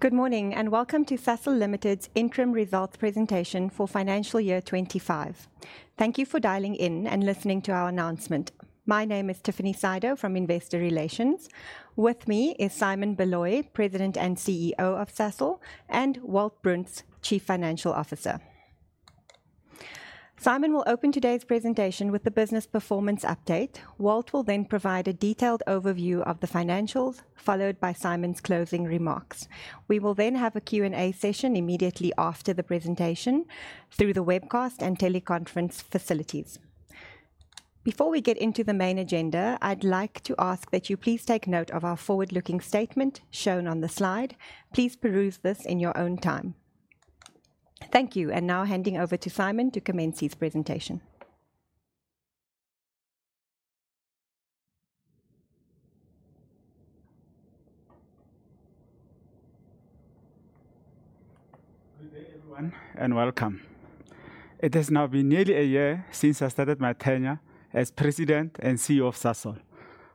Good morning and welcome to Sasol Limited's interim results presentation for Financial Year 25. Thank you for dialing in and listening to our announcement. My name is Tiffany Sydow from Investor Relations. With me is Simon Baloyi, President and CEO of Sasol, and Walt Bruns, Chief Financial Officer. Simon will open today's presentation with the business performance update. Walt will then provide a detailed overview of the financials, followed by Simon's closing remarks. We will then have a Q&A session immediately after the presentation through the webcast and teleconference facilities. Before we get into the main agenda, I'd like to ask that you please take note of our forward-looking statement shown on the slide. Please peruse this in your own time. Thank you, and now handing over to Simon to commence his presentation. Good day, everyone, and welcome. It has now been nearly a year since I started my tenure as President and CEO of Sasol.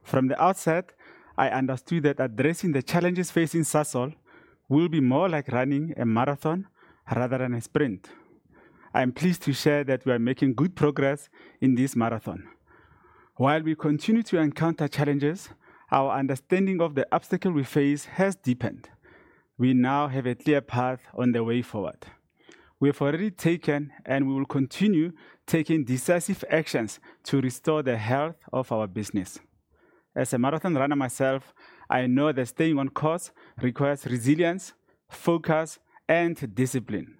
From the outset, I understood that addressing the challenges facing Sasol will be more like running a marathon rather than a sprint. I am pleased to share that we are making good progress in this marathon. While we continue to encounter challenges, our understanding of the obstacles we face has deepened. We now have a clear path on the way forward. We have already taken, and we will continue taking decisive actions to restore the health of our business. As a marathon runner myself, I know that staying on course requires resilience, focus, and discipline.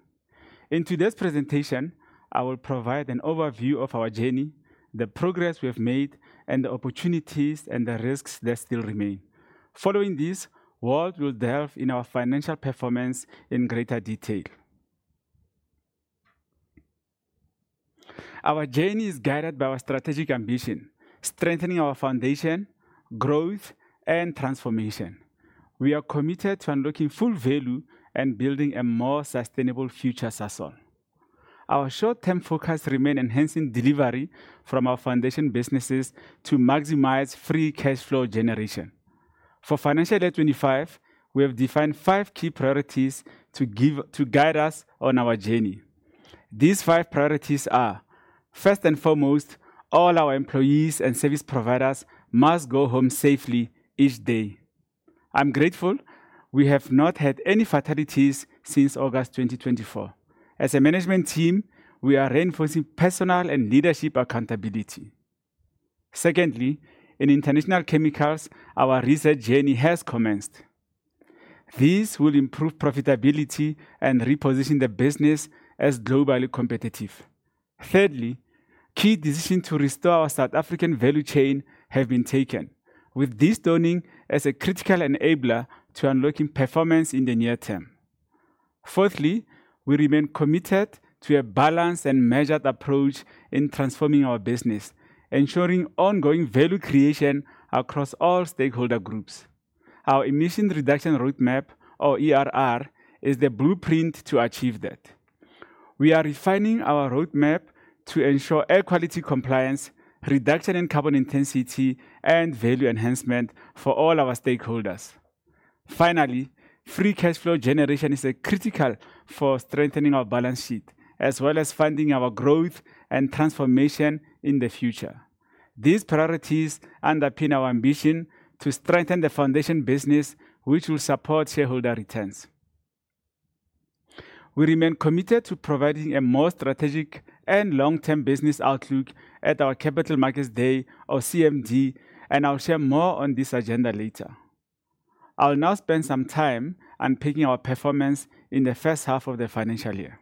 In today's presentation, I will provide an overview of our journey, the progress we have made, and the opportunities and the risks that still remain. Following this, Walt will delve in our financial performance in greater detail. Our journey is guided by our strategic ambition, strengthening our foundation, growth, and transformation. We are committed to unlocking full value and building a more sustainable future, Sasol. Our short-term focus remains enhancing delivery from our foundation businesses to maximize free cash flow generation. For Financial Year 25, we have defined five key priorities to guide us on our journey. These five priorities are, first and foremost, all our employees and service providers must go home safely each day. I'm grateful we have not had any fatalities since August 2024. As a management team, we are reinforcing personal and leadership accountability. Secondly, in international chemicals, our research journey has commenced. This will improve profitability and reposition the business as globally competitive. Thirdly, key decisions to restore our South African value chain have been taken, with this turning as a critical enabler to unlocking performance in the near term. Fourthly, we remain committed to a balanced and measured approach in transforming our business, ensuring ongoing value creation across all stakeholder groups. Our emission reduction roadmap, or ERR, is the blueprint to achieve that. We are refining our roadmap to ensure air quality compliance, reduction in carbon intensity, and value enhancement for all our stakeholders. Finally, free cash flow generation is critical for strengthening our balance sheet, as well as funding our growth and transformation in the future. These priorities underpin our ambition to strengthen the foundation business, which will support shareholder returns. We remain committed to providing a more strategic and long-term business outlook at our Capital Markets Day, or CMD, and I'll share more on this agenda later. I'll now spend some time on picking our performance in the first half of the financial year.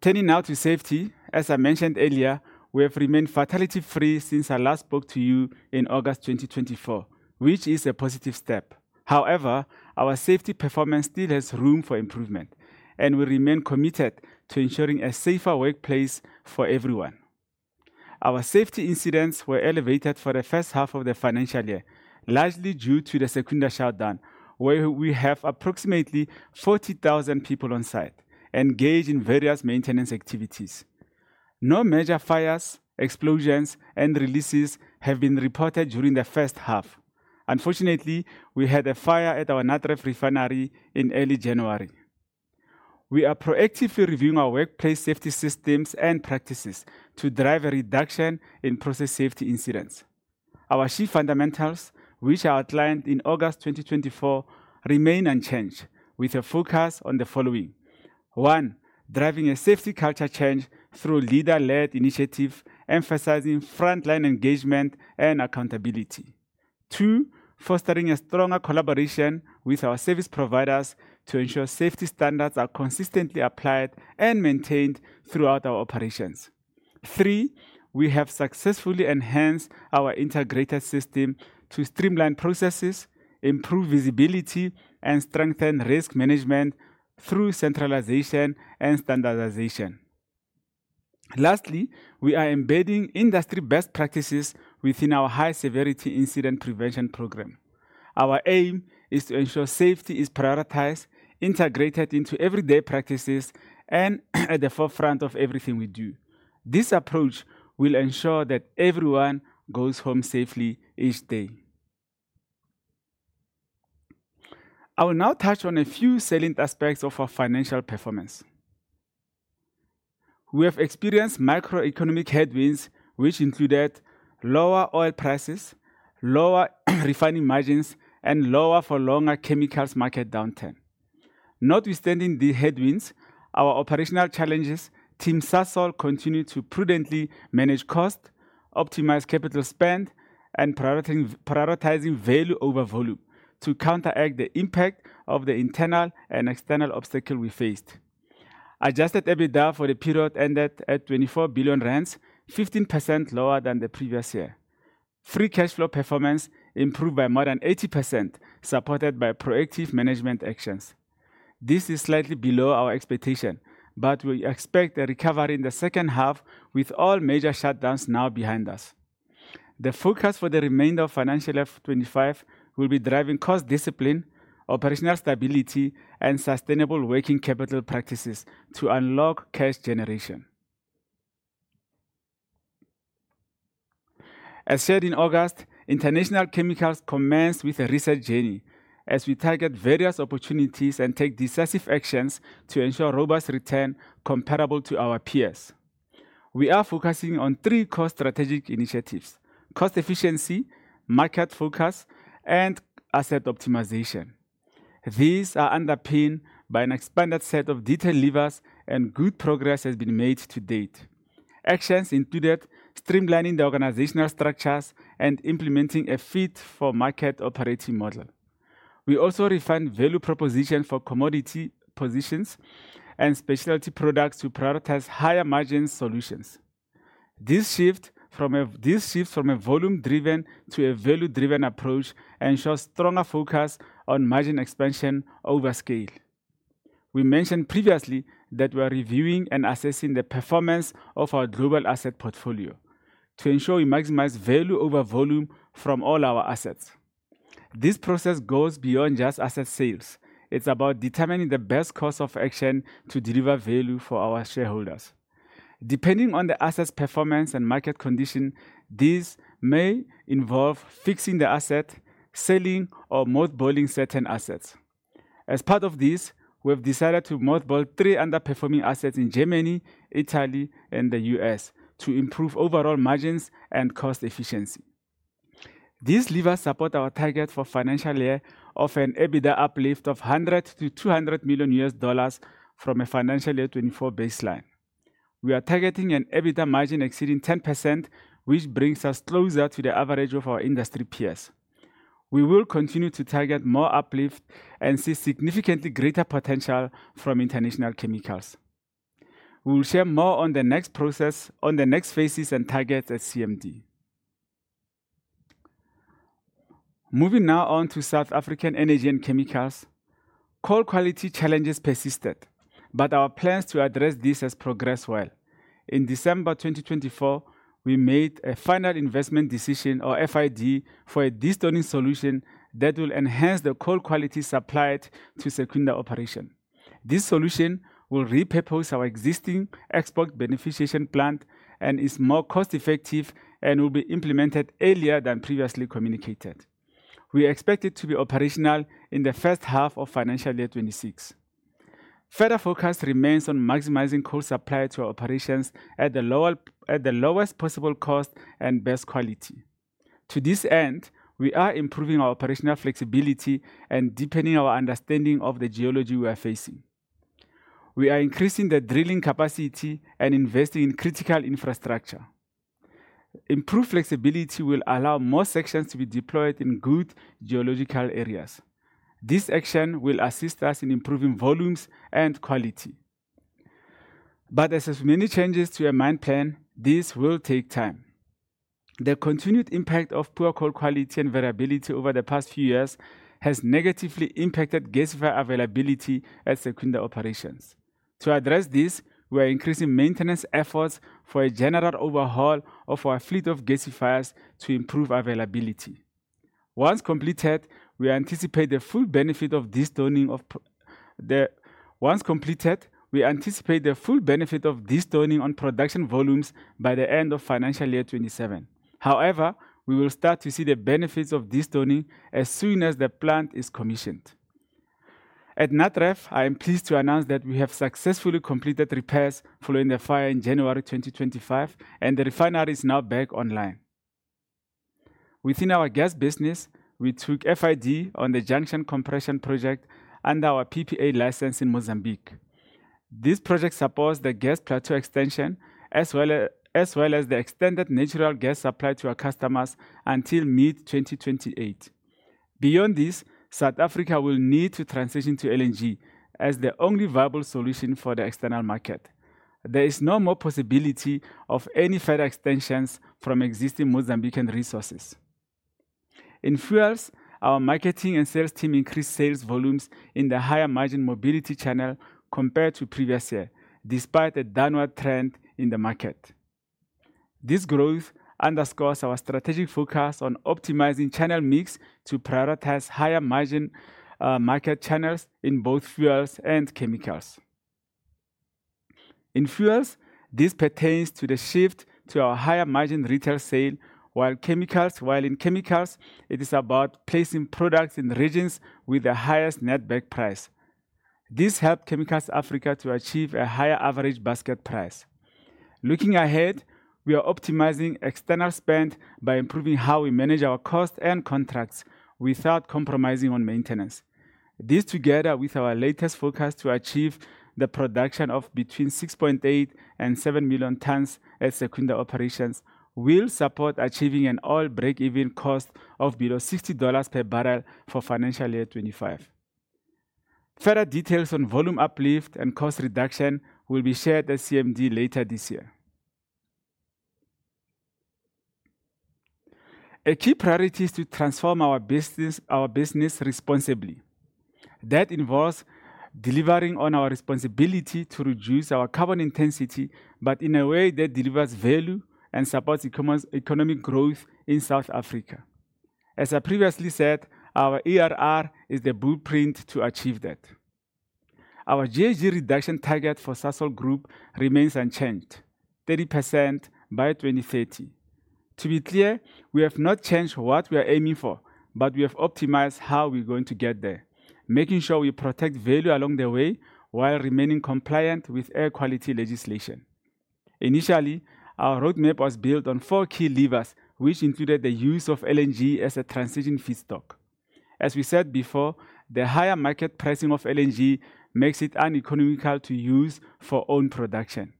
Turning now to safety, as I mentioned earlier, we have remained fatality-free since our last talk to you in August 2024, which is a positive step. However, our safety performance still has room for improvement, and we remain committed to ensuring a safer workplace for everyone. Our safety incidents were elevated for the first half of the financial year, largely due to the Secunda shutdown, where we have approximately 40,000 people on site engaged in various maintenance activities. No major fires, explosions, and releases have been reported during the first half. Unfortunately, we had a fire at our NatRef refinery in early January. We are proactively reviewing our workplace safety systems and practices to drive a reduction in process safety incidents. Our chief fundamentals, which are outlined in August 2024, remain unchanged, with a focus on the following: one, driving a safety culture change through leader-led initiatives, emphasizing frontline engagement and accountability. Two, fostering a stronger collaboration with our service providers to ensure safety standards are consistently applied and maintained throughout our operations. Three, we have successfully enhanced our integrated system to streamline processes, improve visibility, and strengthen risk management through centralization and standardization. Lastly, we are embedding industry best practices within our high-severity incident prevention program. Our aim is to ensure safety is prioritized, integrated into everyday practices, and at the forefront of everything we do. This approach will ensure that everyone goes home safely each day. I will now touch on a few salient aspects of our financial performance. We have experienced macroeconomic headwinds, which included lower oil prices, lower refining margins, and lower-for-longer chemicals market downturn. Notwithstanding these headwinds, our operational challenges, Team Sasol continues to prudently manage costs, optimize capital spend, and prioritize value over volume to counteract the impact of the internal and external obstacles we faced. Adjusted EBITDA for the period ended at 24 billion rand, 15% lower than the previous year. Free cash flow performance improved by more than 80%, supported by proactive management actions. This is slightly below our expectation, but we expect a recovery in the second half, with all major shutdowns now behind us. The focus for the remainder of Financial Year 25 will be driving cost discipline, operational stability, and sustainable working capital practices to unlock cash generation. As shared in August, International Chemicals commenced with a research journey as we target various opportunities and take decisive actions to ensure robust returns comparable to our peers. We are focusing on three core strategic initiatives: cost efficiency, market focus, and asset optimization. These are underpinned by an expanded set of detailed levers, and good progress has been made to date. Actions included streamlining the organizational structures and implementing a fit-for-market operating model. We also refined value propositions for commodity positions and specialty products to prioritize higher-margin solutions. This shift from a volume-driven to a value-driven approach ensures stronger focus on margin expansion over scale. We mentioned previously that we are reviewing and assessing the performance of our global asset portfolio to ensure we maximize value over volume from all our assets. This process goes beyond just asset sales. It's about determining the best course of action to deliver value for our shareholders. Depending on the asset's performance and market condition, this may involve fixing the asset, selling, or mothballing certain assets. As part of this, we have decided to mothball three underperforming assets in Germany, Italy, and the U.S. to improve overall margins and cost efficiency. These levers support our target for Financial Year 25 of an EBITDA uplift of $100 million-$200 million from a Financial Year 24 baseline. We are targeting an EBITDA margin exceeding 10%, which brings us closer to the average of our industry peers. We will continue to target more uplift and see significantly greater potential from International Chemicals. We will share more on the next process, on the next phases and targets at CMD. Moving now on to South African energy and chemicals. Coal quality challenges persisted, but our plans to address this have progressed well. In December 2024, we made a final investment decision, or FID, for a destoning solution that will enhance the coal quality supplied to Secunda operation. This solution will repurpose our existing export beneficiation plant and is more cost-effective and will be implemented earlier than previously communicated. We expect it to be operational in the first half of financial year 26. Further focus remains on maximizing coal supply to our operations at the lowest possible cost and best quality. To this end, we are improving our operational flexibility and deepening our understanding of the geology we are facing. We are increasing the drilling capacity and investing in critical infrastructure. Improved flexibility will allow more sections to be deployed in good geological areas. This action will assist us in improving volumes and quality. As with many changes to our main plan, this will take time. The continued impact of poor coal quality and variability over the past few years has negatively impacted gasifier availability at Secunda operations. To address this, we are increasing maintenance efforts for a general overhaul of our fleet of gasifiers to improve availability. Once completed, we anticipate the full benefit of destoning on production volumes by the end of financial year 27. However, we will start to see the benefits of destoning as soon as the plant is commissioned. At NatRef, I am pleased to announce that we have successfully completed repairs following the fire in January 2025, and the refinery is now back online. Within our gas business, we took FID on the junction compression project under our PPA license in Mozambique. This project supports the gas plateau extension as well as the extended natural gas supply to our customers until mid-2028. Beyond this, South Africa will need to transition to LNG as the only viable solution for the external market. There is no more possibility of any further extensions from existing Mozambican resources. In Fuels, our marketing and sales team increased sales volumes in the higher margin mobility channel compared to previous year, despite a downward trend in the market. This growth underscores our strategic focus on optimizing channel mix to prioritize higher margin market channels in both fuels and chemicals. In Fuels, this pertains to the shift to our higher margin retail sale, while in chemicals, it is about placing products in regions with the highest net back price. This helps Chemicals Africa to achieve a higher average basket price. Looking ahead, we are optimizing external spend by improving how we manage our costs and contracts without compromising on maintenance. This, together with our latest focus to achieve the production of between 6.8 and 7 million tons at Secunda operations, will support achieving an all-in break-even cost of below $60 per barrel for Financial Year 25. Further details on volume uplift and cost reduction will be shared at CMD later this year. A key priority is to transform our business responsibly. That involves delivering on our responsibility to reduce our carbon intensity, but in a way that delivers value and supports economic growth in South Africa. As I previously said, our ERR is the blueprint to achieve that. Our GHG reduction target for Sasol Group remains unchanged, 30% by 2030. To be clear, we have not changed what we are aiming for, but we have optimized how we are going to get there, making sure we protect value along the way while remaining compliant with air quality legislation. Initially, our roadmap was built on four key levers, which included the use of LNG as a transition feedstock. As we said before, the higher market pricing of LNG makes it uneconomical to use for own production.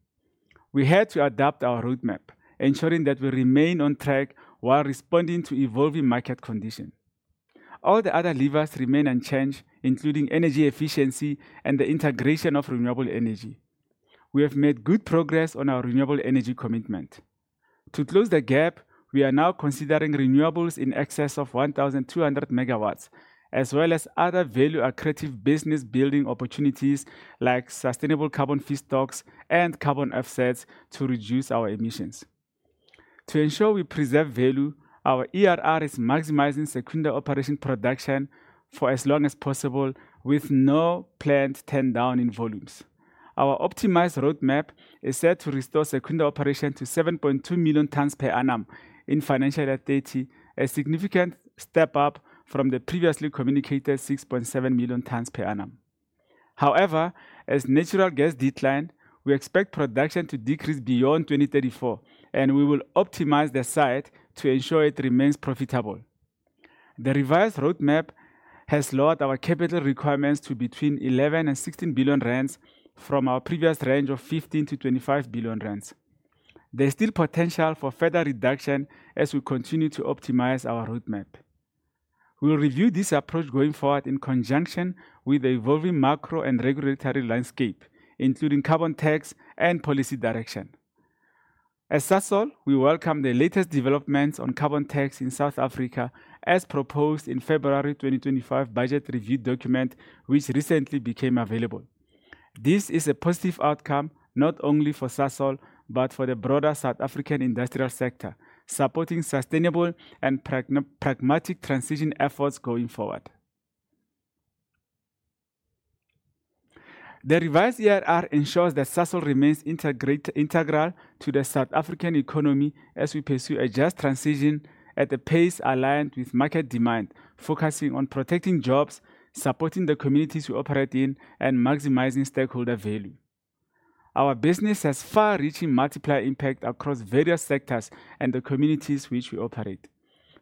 We had to adapt our roadmap, ensuring that we remain on track while responding to evolving market conditions. All the other levers remain unchanged, including energy efficiency and the integration of renewable energy. We have made good progress on our renewable energy commitment. To close the gap, we are now considering renewables in excess of 1,200 megawatts, as well as other value-accretive business-building opportunities like sustainable carbon feedstocks and carbon offsets to reduce our emissions. To ensure we preserve value, our ERR is maximizing Secunda operation production for as long as possible with no planned turndown in volumes. Our optimized roadmap is set to restore Secunda operations to 7.2 million tons per annum in FY24, a significant step up from the previously communicated 6.7 million tons per annum. However, as natural gas supply declines, we expect production to decrease beyond 2034, and we will optimize the site to ensure it remains profitable. The revised roadmap has lowered our capital requirements to between 11 billion and 16 billion rand from our previous range of 15 billion-25 billion rand. There is still potential for further reduction as we continue to optimize our roadmap. We will review this approach going forward in conjunction with the evolving macro and regulatory landscape, including carbon tax and policy direction. As Sasol, we welcome the latest developments on carbon tax in South Africa, as proposed in February 2025 budget review document, which recently became available. This is a positive outcome not only for Sasol, but for the broader South African industrial sector, supporting sustainable and pragmatic transition efforts going forward. The revised ERR ensures that Sasol remains integral to the South African economy as we pursue a just transition at a pace aligned with market demand, focusing on protecting jobs, supporting the communities we operate in, and maximizing stakeholder value. Our business has far-reaching multiplier impact across various sectors and the communities which we operate.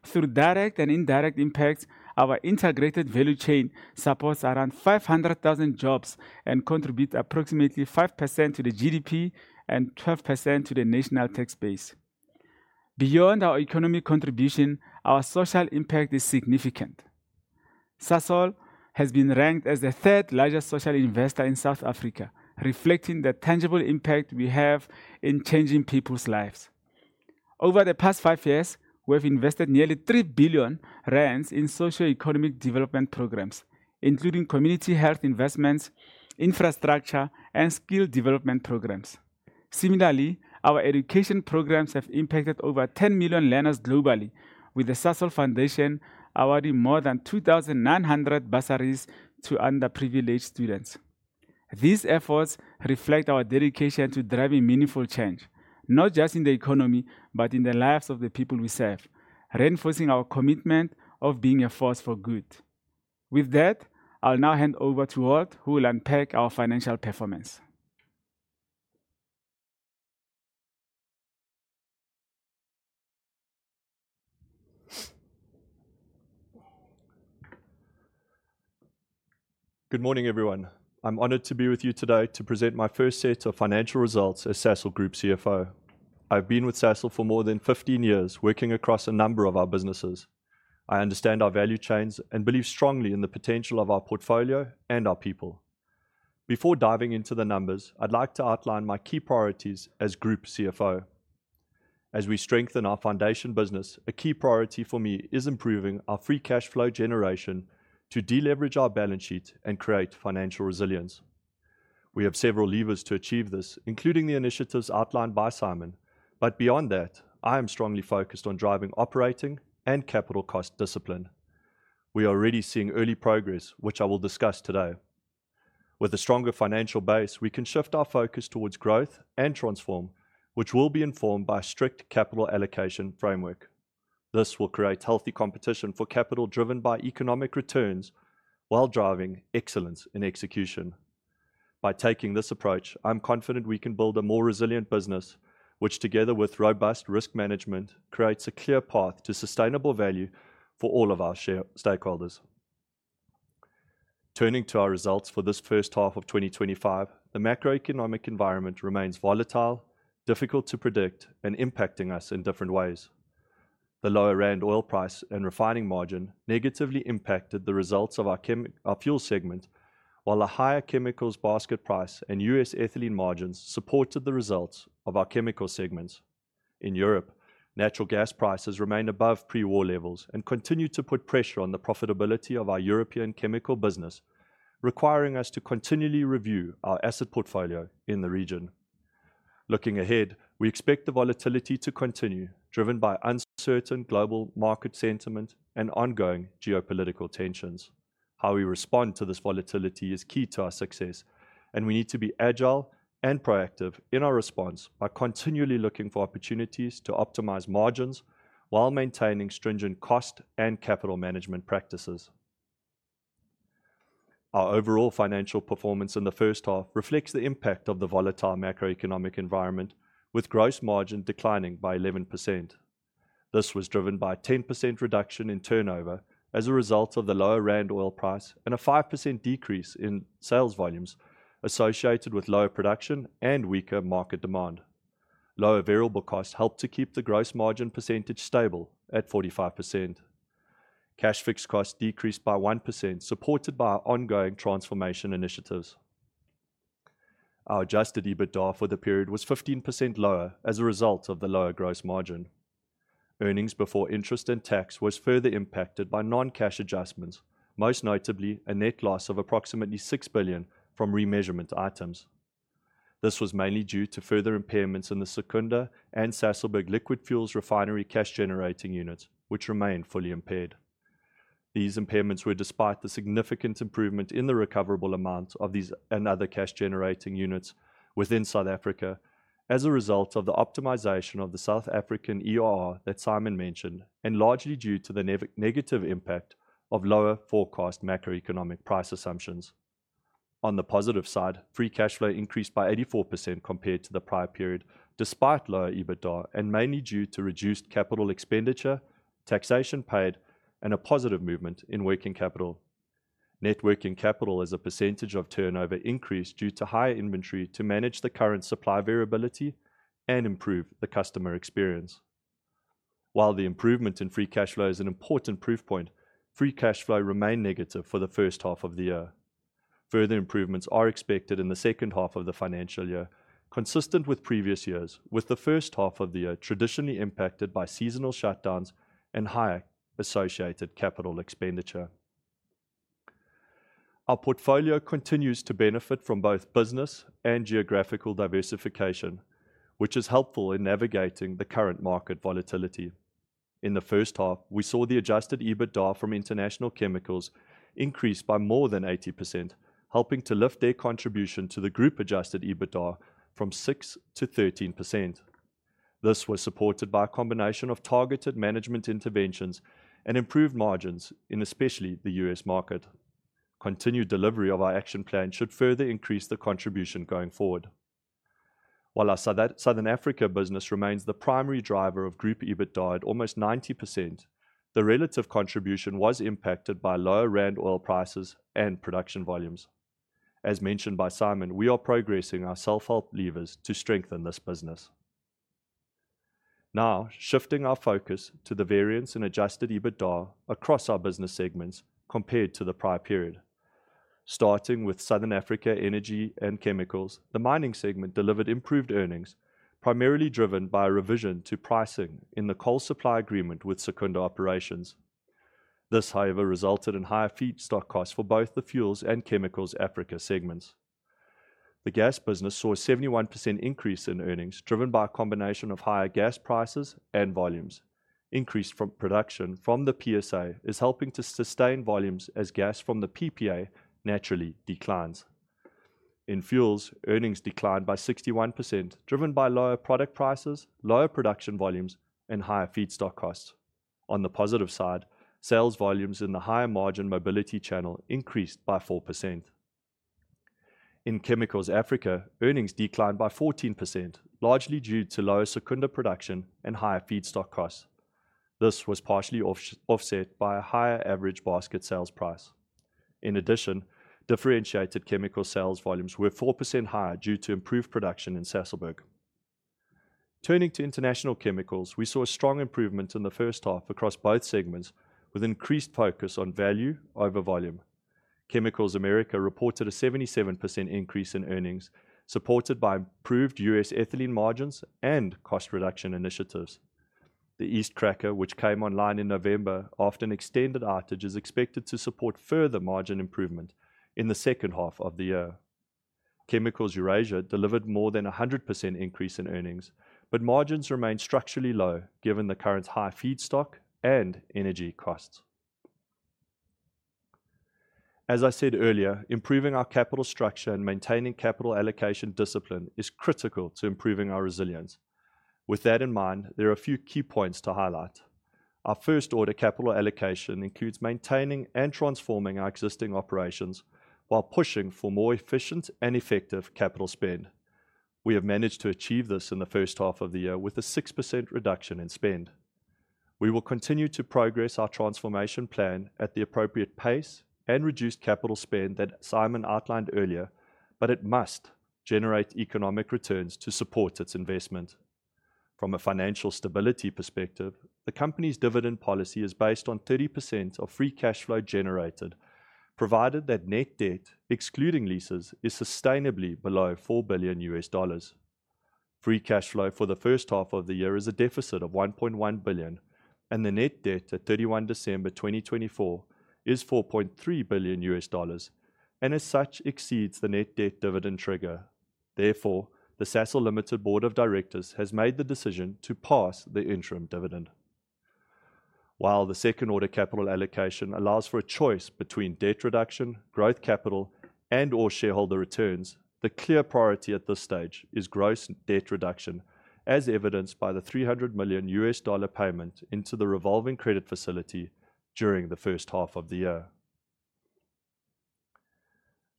Through direct and indirect impacts, our integrated value chain supports around 500,000 jobs and contributes approximately 5% to the GDP and 12% to the national tax base. Beyond our economic contribution, our social impact is significant. Sasol has been ranked as the third-largest social investor in South Africa, reflecting the tangible impact we have in changing people's lives. Over the past five years, we have invested nearly 3 billion rand in socio-economic development programs, including community health investments, infrastructure, and skill development programs. Similarly, our education programs have impacted over 10 million learners globally, with the Sasol Foundation awarding more than 2,900 bursaries to underprivileged students. These efforts reflect our dedication to driving meaningful change, not just in the economy, but in the lives of the people we serve, reinforcing our commitment of being a force for good. With that, I'll now hand over to Walt, who will unpack our financial performance. Good morning, everyone. I'm honored to be with you today to present my first set of financial results as Sasol Group CFO. I've been with Sasol for more than 15 years, working across a number of our businesses. I understand our value chains and believe strongly in the potential of our portfolio and our people. Before diving into the numbers, I'd like to outline my key priorities as Group CFO. As we strengthen our foundation business, a key priority for me is improving our free cash flow generation to deleverage our balance sheet and create financial resilience. We have several levers to achieve this, including the initiatives outlined by Simon. Beyond that, I am strongly focused on driving operating and capital cost discipline. We are already seeing early progress, which I will discuss today. With a stronger financial base, we can shift our focus towards growth and transform, which will be informed by a strict capital allocation framework. This will create healthy competition for capital driven by economic returns while driving excellence in execution. By taking this approach, I'm confident we can build a more resilient business, which, together with robust risk management, creates a clear path to sustainable value for all of our stakeholders. Turning to our results for this first half of 2025, the macroeconomic environment remains volatile, difficult to predict, and impacting us in different ways. The lower rand oil price and refining margin negatively impacted the results of our fuel segment, while the higher chemicals basket price and U.S. ethylene margins supported the results of our chemical segments. In Europe, natural gas prices remain above pre-war levels and continue to put pressure on the profitability of our European chemical business, requiring us to continually review our asset portfolio in the region. Looking ahead, we expect the volatility to continue, driven by uncertain global market sentiment and ongoing geopolitical tensions. How we respond to this volatility is key to our success, and we need to be agile and proactive in our response by continually looking for opportunities to optimize margins while maintaining stringent cost and capital management practices. Our overall financial performance in the first half reflects the impact of the volatile macroeconomic environment, with gross margin declining by 11%. This was driven by a 10% reduction in turnover as a result of the lower rand oil price and a 5% decrease in sales volumes associated with lower production and weaker market demand. Lower variable costs helped to keep the gross margin percentage stable at 45%. Cash fixed costs decreased by 1%, supported by our ongoing transformation initiatives. Our adjusted EBITDA for the period was 15% lower as a result of the lower gross margin. Earnings before interest and tax were further impacted by non-cash adjustments, most notably a net loss of approximately 6 billion from remeasurement items. This was mainly due to further impairments in the Secunda and Sasolburg Liquid Fuels Refinery cash generating units, which remained fully impaired. These impairments were despite the significant improvement in the recoverable amount of these and other cash generating units within South Africa, as a result of the optimization of the South African EOR that Simon mentioned, and largely due to the negative impact of lower forecast macroeconomic price assumptions. On the positive side, free cash flow increased by 84% compared to the prior period, despite lower EBITDA and mainly due to reduced capital expenditure, taxation paid, and a positive movement in working capital. Net working capital as a percentage of turnover increased due to higher inventory to manage the current supply variability and improve the customer experience. While the improvement in Free Cash Flow is an important proof point, Free Cash Flow remained negative for the first half of the year. Further improvements are expected in the second half of the financial year, consistent with previous years, with the first half of the year traditionally impacted by seasonal shutdowns and higher associated capital expenditure. Our portfolio continues to benefit from both business and geographical diversification, which is helpful in navigating the current market volatility. In the first half, we saw the Adjusted EBITDA from International Chemicals increase by more than 80%, helping to lift their contribution to the Group Adjusted EBITDA from 6%-13%. This was supported by a combination of targeted management interventions and improved margins in especially the U.S. market. Continued delivery of our action plan should further increase the contribution going forward. While our Southern Africa business remains the primary driver of Group EBITDA at almost 90%, the relative contribution was impacted by lower rand oil prices and production volumes. As mentioned by Simon, we are progressing our self-help levers to strengthen this business. Now, shifting our focus to the variance in adjusted EBITDA across our business segments compared to the prior period. Starting with Southern Africa Energy and Chemicals, the mining segment delivered improved earnings, primarily driven by a revision to pricing in the coal supply agreement with Secunda Operations. This, however, resulted in higher feedstock costs for both the Fuels and Chemicals Africa segments. The gas business saw a 71% increase in earnings, driven by a combination of higher gas prices and volumes. Increased production from the PSA is helping to sustain volumes as gas from the PPA naturally declines. In Fuels, earnings declined by 61%, driven by lower product prices, lower production volumes, and higher feedstock costs. On the positive side, sales volumes in the higher margin mobility channel increased by 4%. In Chemicals Africa, earnings declined by 14%, largely due to lower Secunda production and higher feedstock costs. This was partially offset by a higher average basket sales price. In addition, differentiated chemical sales volumes were 4% higher due to improved production in Sasolburg. Turning to International Chemicals, we saw a strong improvement in the first half across both segments, with increased focus on value over volume. Chemicals America reported a 77% increase in earnings, supported by improved U.S. ethylene margins and cost reduction initiatives. The East Cracker, which came online in November, after an extended outage, is expected to support further margin improvement in the second half of the year. Chemicals Eurasia delivered more than a 100% increase in earnings, but margins remained structurally low given the current high feedstock and energy costs. As I said earlier, improving our capital structure and maintaining capital allocation discipline is critical to improving our resilience. With that in mind, there are a few key points to highlight. Our first order capital allocation includes maintaining and transforming our existing operations while pushing for more efficient and effective capital spend. We have managed to achieve this in the first half of the year with a 6% reduction in spend. We will continue to progress our transformation plan at the appropriate pace and reduce capital spend that Simon outlined earlier, but it must generate economic returns to support its investment. From a financial stability perspective, the company's dividend policy is based on 30% of free cash flow generated, provided that net debt, excluding leases, is sustainably below $4 billion. Free cash flow for the first half of the year is a deficit of $1.1 billion, and the net debt at 31 December 2024 is $4.3 billion, and as such exceeds the net debt dividend trigger. Therefore, the Sasol Limited Board of Directors has made the decision to pass the interim dividend. While the second order capital allocation allows for a choice between debt reduction, growth capital, and/or shareholder returns, the clear priority at this stage is gross debt reduction, as evidenced by the $300 million payment into the revolving credit facility during the first half of the year.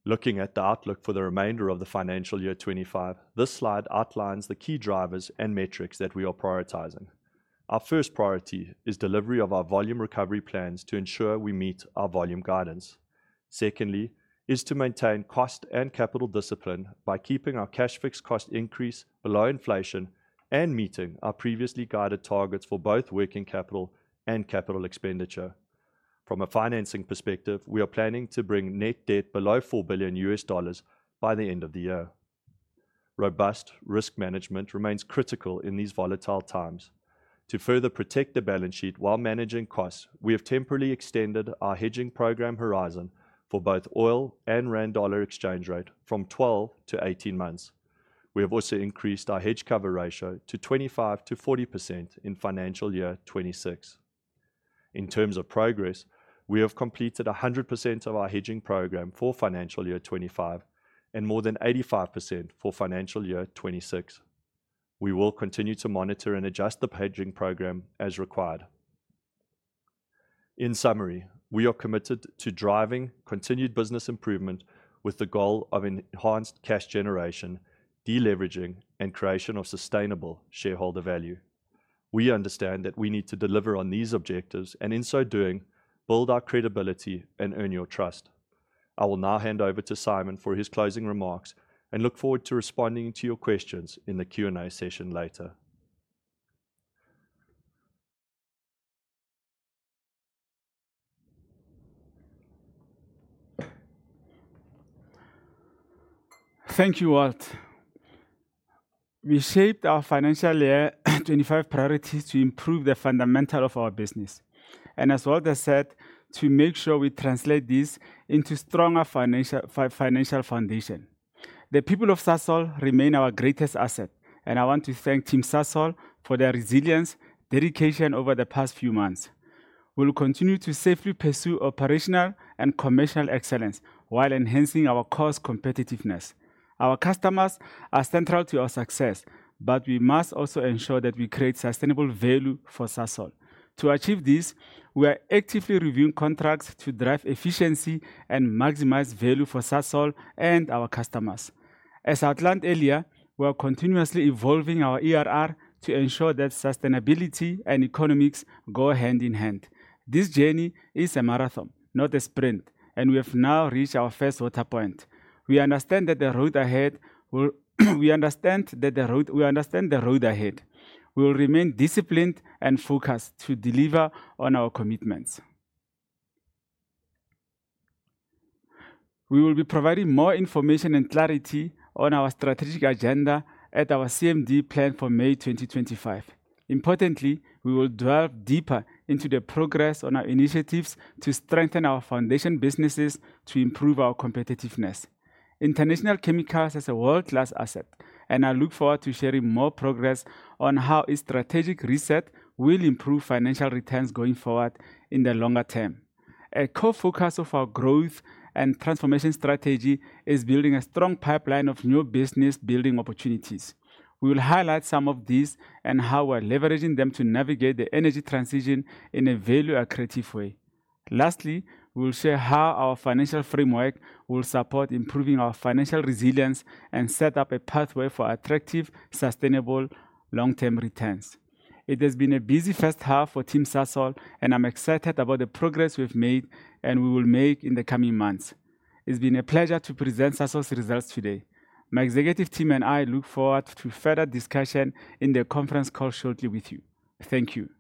Looking at the outlook for the remainder of the financial year 25, this slide outlines the key drivers and metrics that we are prioritizing. Our first priority is delivery of our volume recovery plans to ensure we meet our volume guidance. Secondly, is to maintain cost and capital discipline by keeping our cash fixed cost increase below inflation and meeting our previously guided targets for both working capital and capital expenditure. From a financing perspective, we are planning to bring net debt below $4 billion by the end of the year. Robust risk management remains critical in these volatile times. To further protect the balance sheet while managing costs, we have temporarily extended our hedging program horizon for both oil and rand dollar exchange rate from 12-18 months. We have also increased our hedge cover ratio to 25%-40% in financial year 26. In terms of progress, we have completed 100% of our hedging program for Financial Year 25 and more than 85% for Financial Year 26. We will continue to monitor and adjust the hedging program as required. In summary, we are committed to driving continued business improvement with the goal of enhanced cash generation, deleveraging, and creation of sustainable shareholder value. We understand that we need to deliver on these objectives and, in so doing, build our credibility and earn your trust. I will now hand over to Simon for his closing remarks and look forward to responding to your questions in the Q&A session later. Thank you, Walt. We shaped our Financial Year 25 priorities to improve the fundamental of our business, and as Walt has said, to make sure we translate this into a stronger financial foundation. The people of Sasol remain our greatest asset, and I want to thank Team Sasol for their resilience and dedication over the past few months. We will continue to safely pursue operational and commercial excellence while enhancing our cost competitiveness. Our customers are central to our success, but we must also ensure that we create sustainable value for Sasol. To achieve this, we are actively reviewing contracts to drive efficiency and maximize value for Sasol and our customers. As outlined earlier, we are continuously evolving our ERR to ensure that sustainability and economics go hand in hand. This journey is a marathon, not a sprint, and we have now reached our first water point. We understand the road ahead. We will remain disciplined and focused to deliver on our commitments. We will be providing more information and clarity on our strategic agenda at our CMD planned for May 2025. Importantly, we will delve deeper into the progress on our initiatives to strengthen our foundation businesses to improve our competitiveness. International Chemicals is a world-class asset, and I look forward to sharing more progress on how its strategic reset will improve financial returns going forward in the longer term. A core focus of our growth and transformation strategy is building a strong pipeline of new business-building opportunities. We will highlight some of these and how we are leveraging them to navigate the energy transition in a value-accretive way. Lastly, we will share how our financial framework will support improving our financial resilience and set up a pathway for attractive, sustainable, long-term returns. It has been a busy first half for Team Sasol, and I'm excited about the progress we've made and we will make in the coming months. It's been a pleasure to present Sasol's results today. My executive team and I look forward to further discussion in the conference call shortly with you. Thank you.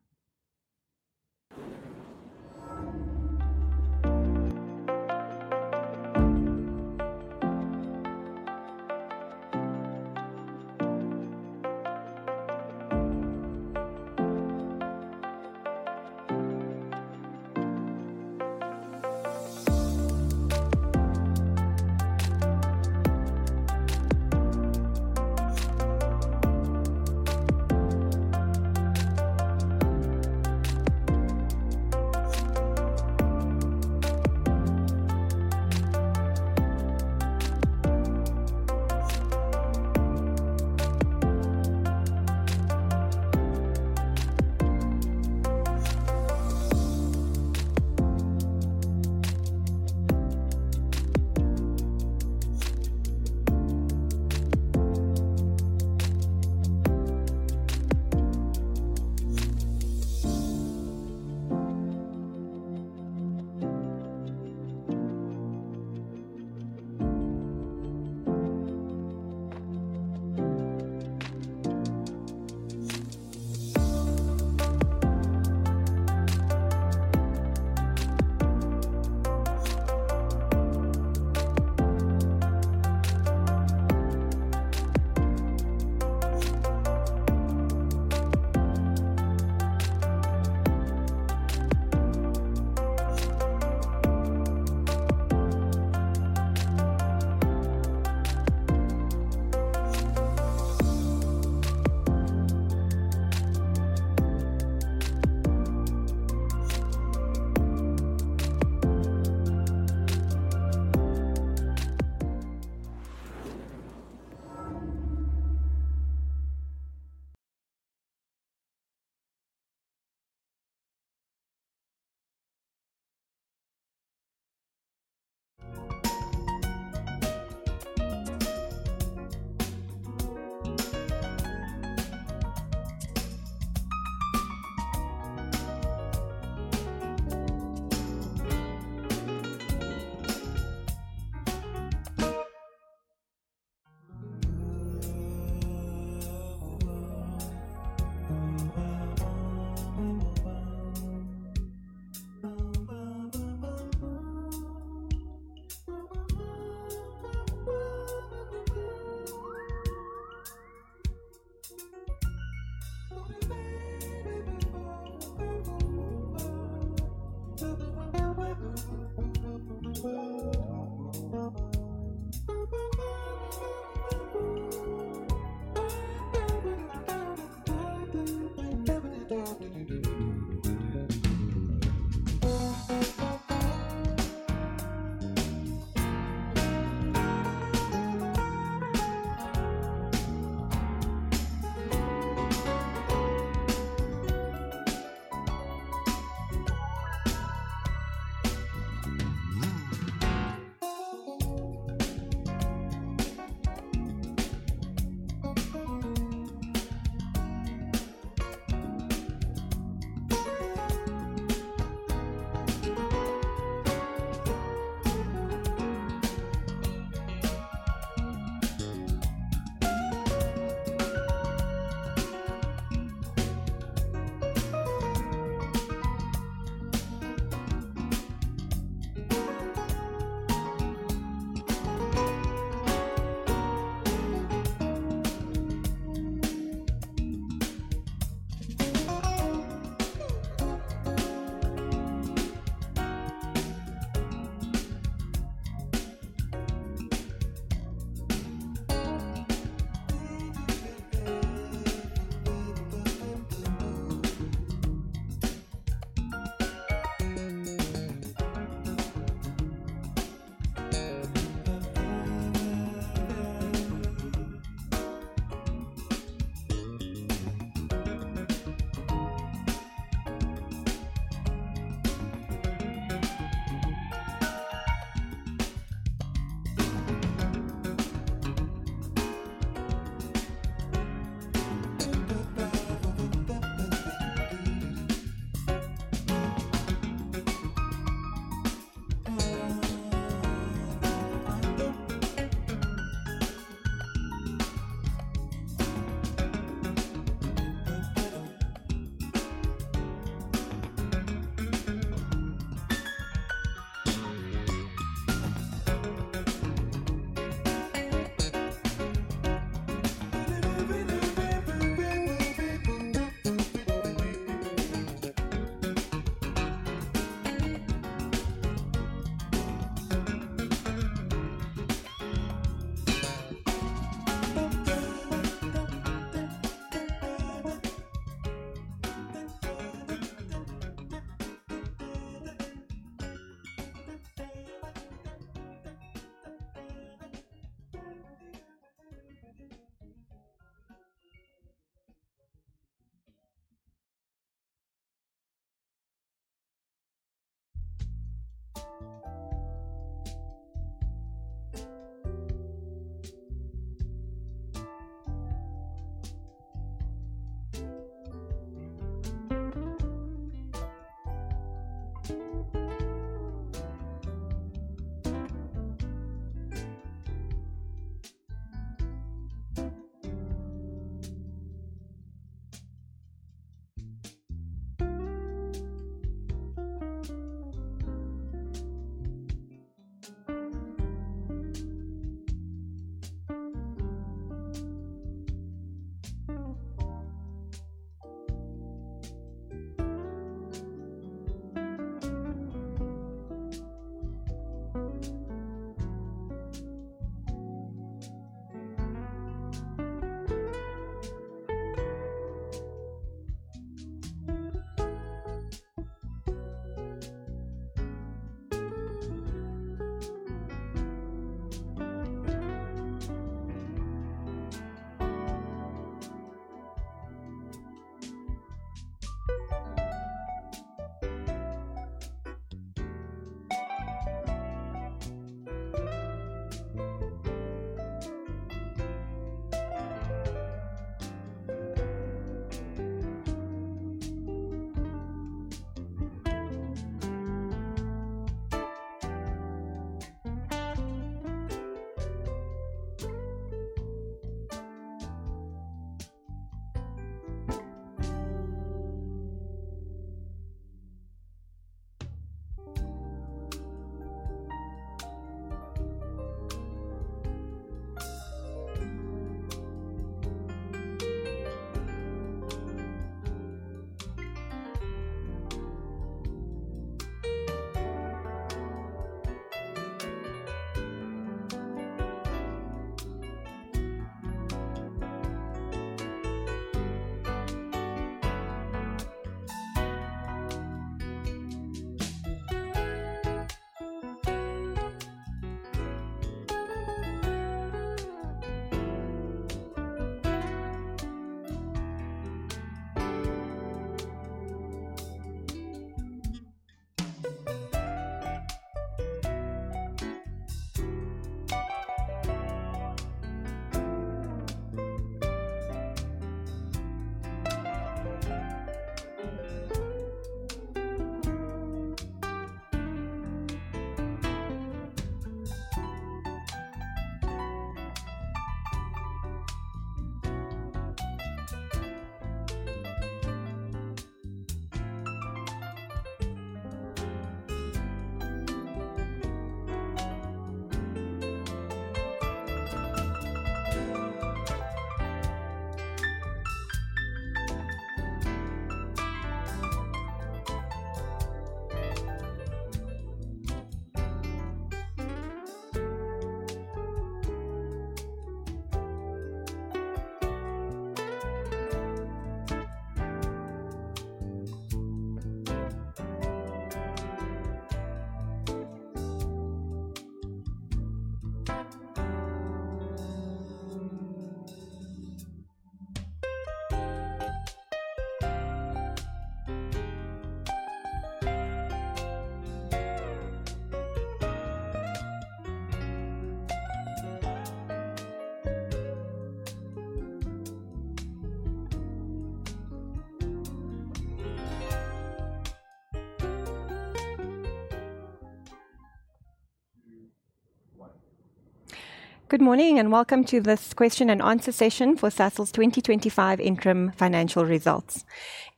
Good morning and welcome to this question and answer session for Sasol's 2025 interim financial results.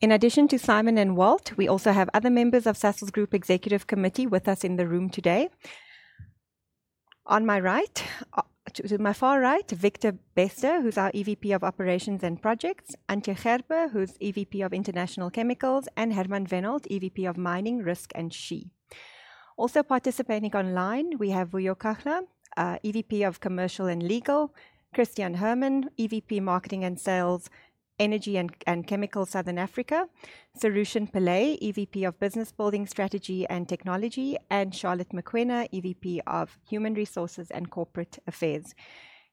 In addition to Simon and Walt, we also have other members of Sasol's Group Executive Committee with us in the room today. On my right, to my far right, Victor Bester, who's our EVP of Operations and Projects, Antje Gerber, who's EVP of International Chemicals, and Hermann Wenhold, EVP of Mining, Risk, and SHE. Also participating online, we have Vuyo Kahla, EVP of Commercial and Legal, Christian Herrmann, EVP Marketing and Sales, Energy and Chemicals, Southern Africa, Sarushen Pillay, EVP of Business Building Strategy and Technology, and Charlotte Mokoena, EVP of Human Resources and Corporate Affairs.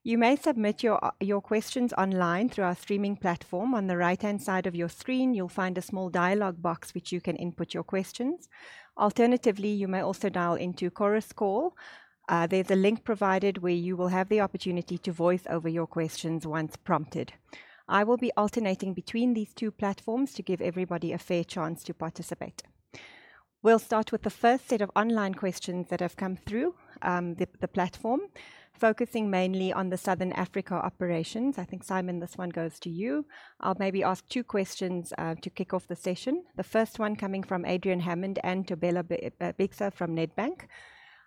You may submit your questions online through our streaming platform. On the right-hand side of your screen, you'll find a small dialogue box which you can input your questions. Alternatively, you may also dial into Chorus Call. There's a link provided where you will have the opportunity to voice over your questions once prompted. I will be alternating between these two platforms to give everybody a fair chance to participate. We'll start with the first set of online questions that have come through the platform, focusing mainly on the Southern Africa operations. Simon, this one goes to you. I'll maybe ask two questions to kick off the session. The first one coming from Adrian Hammond and to Thobela Bephela from Nedbank.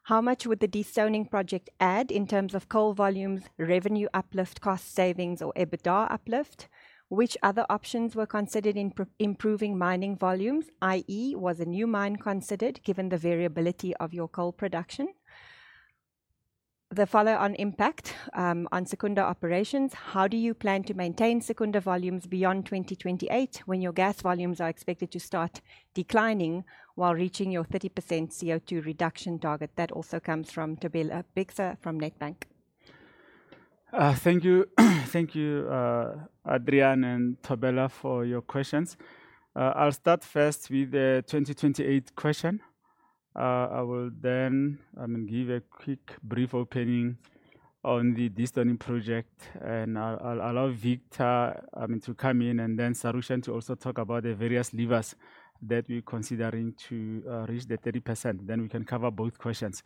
How much would the destoning project add in terms of coal volumes, revenue uplift, cost savings, or EBITDA uplift? Which other options were considered in improving mining volumes? I.e., was a new mine considered given the variability of your coal production? The follow-on impact on Secunda operations. How do you plan to maintain Secunda volumes beyond 2028 when your gas volumes are expected to start declining while reaching your 30% CO2 reduction target? That also comes from Thobela Bephela from Nedbank. Thank you, Adrian and Thobela, for your questions. I'll start first with the 2028 question. I will then give a quick brief opening on the destoning project, and I'll allow Victor to come in and then Sarushen to also talk about the various levers that we're considering to reach the 30%. We can cover both questions.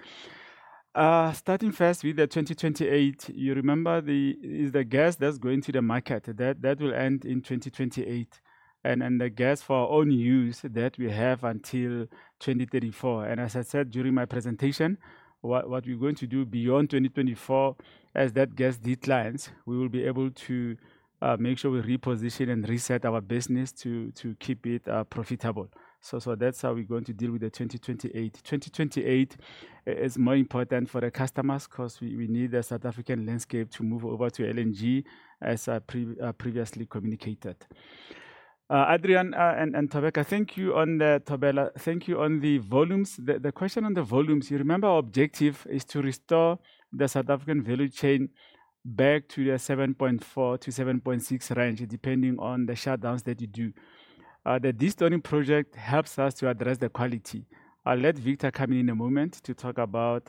Starting first with the 2028, you remember it's the gas that's going to the market that will end in 2028 and the gas for our own use that we have until 2034, and as I said during my presentation, what we're going to do beyond 2024 as that gas declines, we will be able to make sure we reposition and reset our business to keep it profitable. That's how we're going to deal with the 2028. 2028 is more important for the customers because we need the South African landscape to move over to LNG, as I previously communicated. Adrian and Thobela, thank you on the volumes. The question on the volumes, you remember our objective is to restore the South African value chain back to the 7.4-7.6 range, depending on the shutdowns that you do. The destoning project helps us to address the quality. I'll let Victor come in in a moment to talk about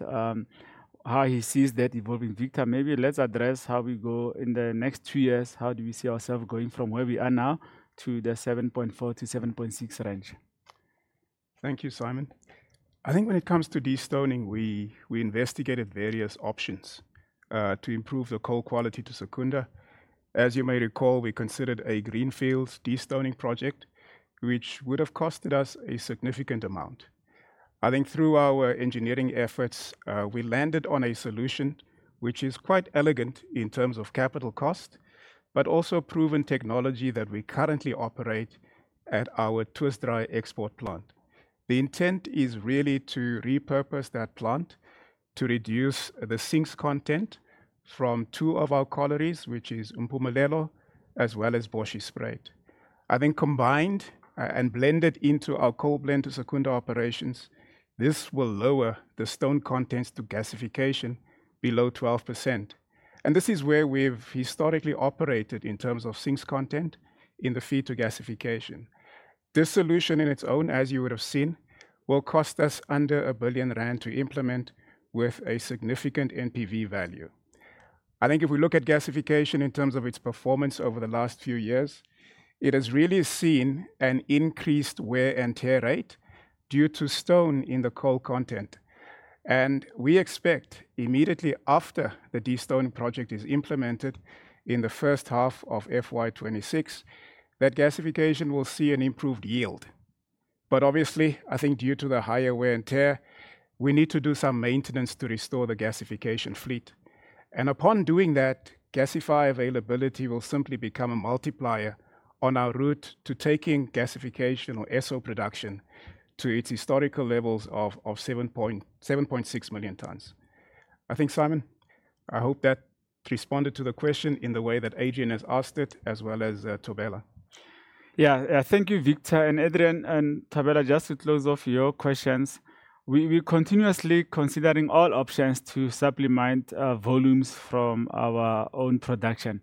how he sees that evolving. Victor, maybe let's address how we go in the next two years. How do we see ourselves going from where we are now to the 7.4-7.6 range? Thank you, Simon. When it comes to destoning, we investigated various options to improve the coal quality to Secunda. As you may recall, we considered a greenfield destoning project, which would have costed us a significant amount. Through our engineering efforts, we landed on a solution which is quite elegant in terms of capital cost, but also proven technology that we currently operate at our Twistdraai export plant. The intent is really to repurpose that plant to reduce the sinks content from two of our collieries, which is Impumelelo as well as Bosjesspruit. Combined and blended into our coal blend to Secunda operations, this will lower the stone contents to gasification below 12%, and this is where we've historically operated in terms of sinks content in the feed to gasification. This solution in its own, as you would have seen, will cost us under 1 billion rand to implement with a significant NPV value. I think if we look at gasification in terms of its performance over the last few years, it has really seen an increased wear and tear rate due to stone in the coal content. We expect immediately after the destoning project is implemented in the first half of FY26, that gasification will see an improved yield. Obviously, due to the higher wear and tear, we need to do some maintenance to restore the gasification fleet. Upon doing that, gasifier availability will simply become a multiplier on our route to taking gasification or SO production to its historical levels of 7.6 million tons. Simon, I hope that responded to the question in the way that Adrian has asked it, as well as Thobela. Yeah, thank you, Victor and Adrian and Thobela, just to close off your questions. We're continuously considering all options to supplement volumes from our own production,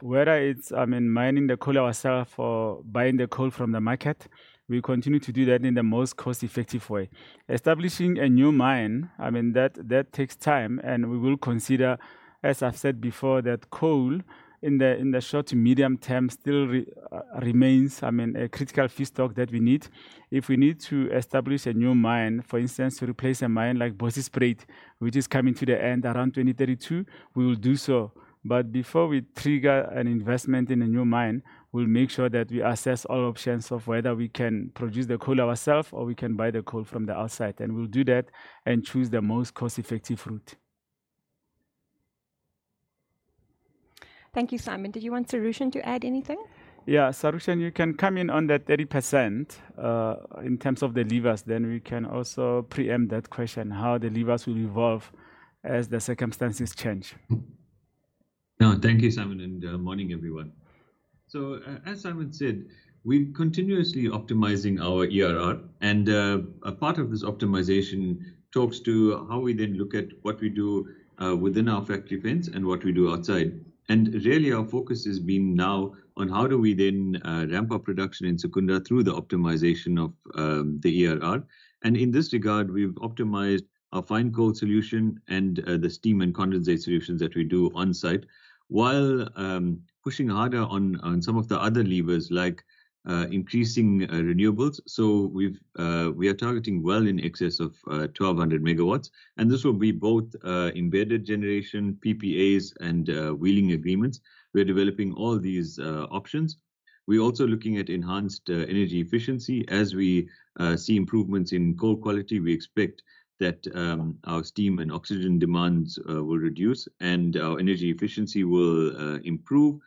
whether it's mining the coal ourselves or buying the coal from the market. We continue to do that in the most cost-effective way. Establishing a new mine that takes time. We will consider, as I've said before, that coal in the short to medium term still remains a critical feedstock that we need. If we need to establish a new mine, for instance, to replace a mine like Bosjesspruit, which is coming to the end around 2032, we will do so. Before we trigger an investment in a new mine, we'll make sure that we assess all options of whether we can produce the coal ourselves or we can buy the coal from the outside. We'll do that and choose the most cost-effective route. Thank you, Simon. Did you want Sarushen to add anything? Yeah, Sarushen, you can come in on the 30% in terms of the levers. We can also preempt that question, how the levers will evolve as the circumstances change. No, thank you, Simon. Good morning, everyone. As Simon said, we're continuously optimizing our ERR. A part of this optimization talks to how we then look at what we do within our factory fence and what we do outside. Really, our focus has been now on how do we then ramp up production in Secunda through the optimization of the ERR. In this regard, we've optimized our fine coal solution and the steam and condensate solutions that we do on-site while pushing harder on some of the other levers like increasing renewables. We are targeting well in excess of 1,200 megawatts. This will be both embedded generation, PPAs, and wheeling agreements. We're developing all these options. We're also looking at enhanced energy efficiency. As we see improvements in coal quality, we expect that our steam and oxygen demands will reduce and our energy efficiency will improve.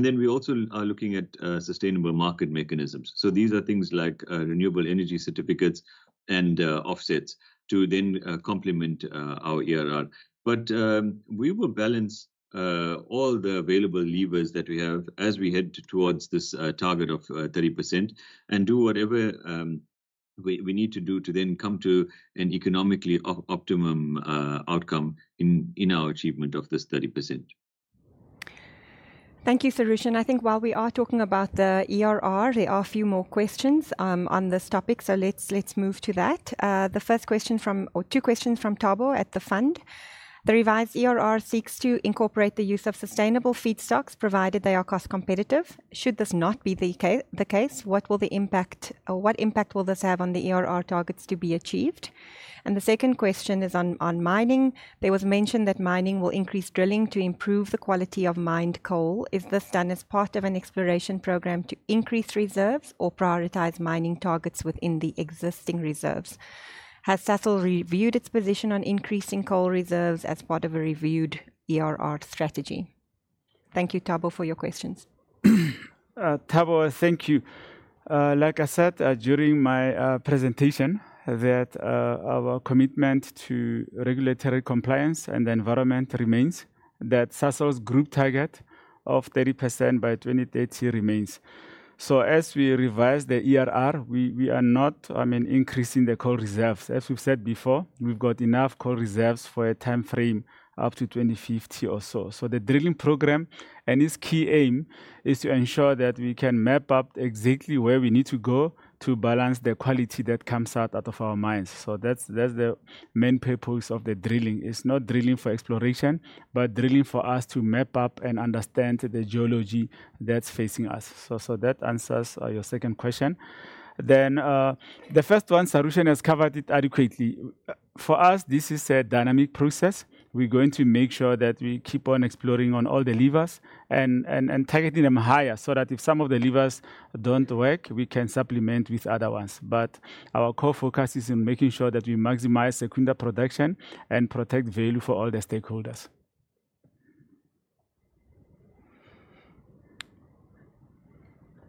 We also are looking at sustainable market mechanisms. These are things like renewable energy certificates and offsets to then complement our ERR. We will balance all the available levers that we have as we head towards this target of 30% and do whatever we need to do to then come to an economically optimum outcome in our achievement of this 30%. Thank you, Sarushen. While we are talking about the ERR, there are a few more questions on this topic. Let's move to that. The first question from two questions from Thabo at the fund. The revised ERR seeks to incorporate the use of sustainable feedstocks provided they are cost competitive. Should this not be the case, what will the impact this have on the ERR targets to be achieved? The second question is on mining. There was mention that mining will increase drilling to improve the quality of mined coal. Is this done as part of an exploration program to increase reserves or prioritize mining targets within the existing reserves? Has Sasol reviewed its position on increasing coal reserves as part of a reviewed ERR strategy? Thank you, Thabo, for your questions. Thabo, thank you. Like I said during my presentation, that our commitment to regulatory compliance and the environment remains, that Sasol's group target of 30% by 2030 remains, so as we revise the ERR, we are not increasing the coal reserves. As we've said before, we've got enough coal reserves for a time frame up to 2050 or so. The drilling program and its key aim is to ensure that we can map out exactly where we need to go to balance the quality that comes out of our mines. That's the main purpose of the drilling. It's not drilling for exploration, but drilling for us to map out and understand the geology that's facing us. That answers your second question. The first one, Sarushen has covered it adequately. For us, this is a dynamic process. We're going to make sure that we keep on exploring on all the levers and targeting them higher so that if some of the levers don't work, we can supplement with other ones. Our core focus is in making sure that we maximize Secunda production and protect value for all the stakeholders.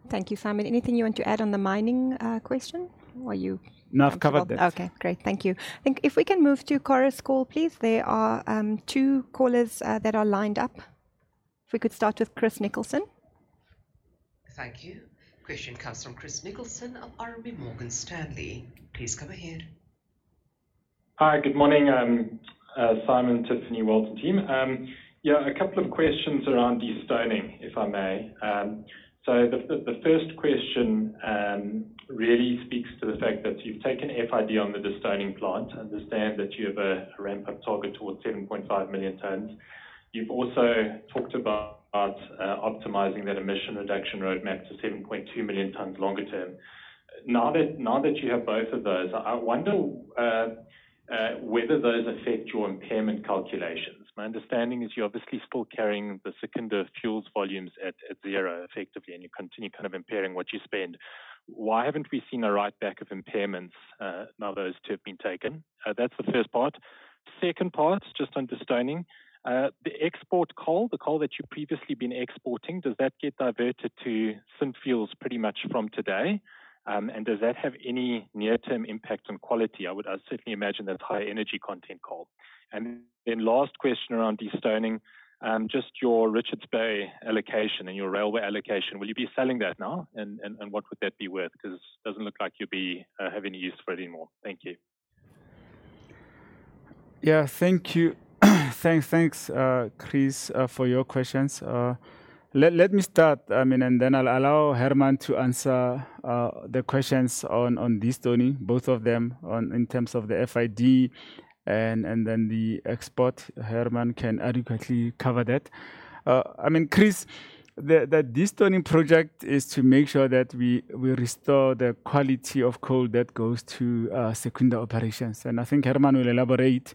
Thank you, Simon. Anything you want to add on the mining question? No, I've covered that. Okay, great. Thank you. If we can move to Chorus Call, please. There are two callers that are lined up. If we could start with Chris Nicholson. Thank you. Question comes from Chris Nicholson of RMB Morgan Stanley. Please come ahead. Hi, good morning. I'm Simon, Tiffany, Walton team. Yeah, a couple of questions around destoning, if I may. The first question really speaks to the fact that you've taken FID on the destoning plant. I understand that you have a ramp-up target towards 7.5 million tons. You've also talked about optimizing that emission reduction roadmap to 7.2 million tons longer term. Now that you have both of those, I wonder whether those affect your impairment calculations. My understanding is you're obviously still carrying the Secunda fuels volumes at zero effectively, and you continue impairing what you spend. Why haven't we seen a write-back of impairments now those two have been taken? That's the first part. Second part, just on destoning, the export coal, the coal that you've previously been exporting, does that get diverted to Synfuels pretty much from today? Does that have any near-term impact on quality? I would certainly imagine that's high energy content coal. Last question around destoning, just your Richards Bay allocation and your railway allocation, will you be selling that now? And what would that be worth? Because it doesn't look like you'll be having any use for it anymore. Thank you. Yeah, thank you. Thanks, Chris, for your questions. Let me start, and then I'll allow Hermann to answer the questions on destoning, both of them in terms of the FID and then the export. Hermann can adequately cover that. Chris, the destoning project is to make sure that we restore the quality of coal that goes to Secunda operations. Hermann will elaborate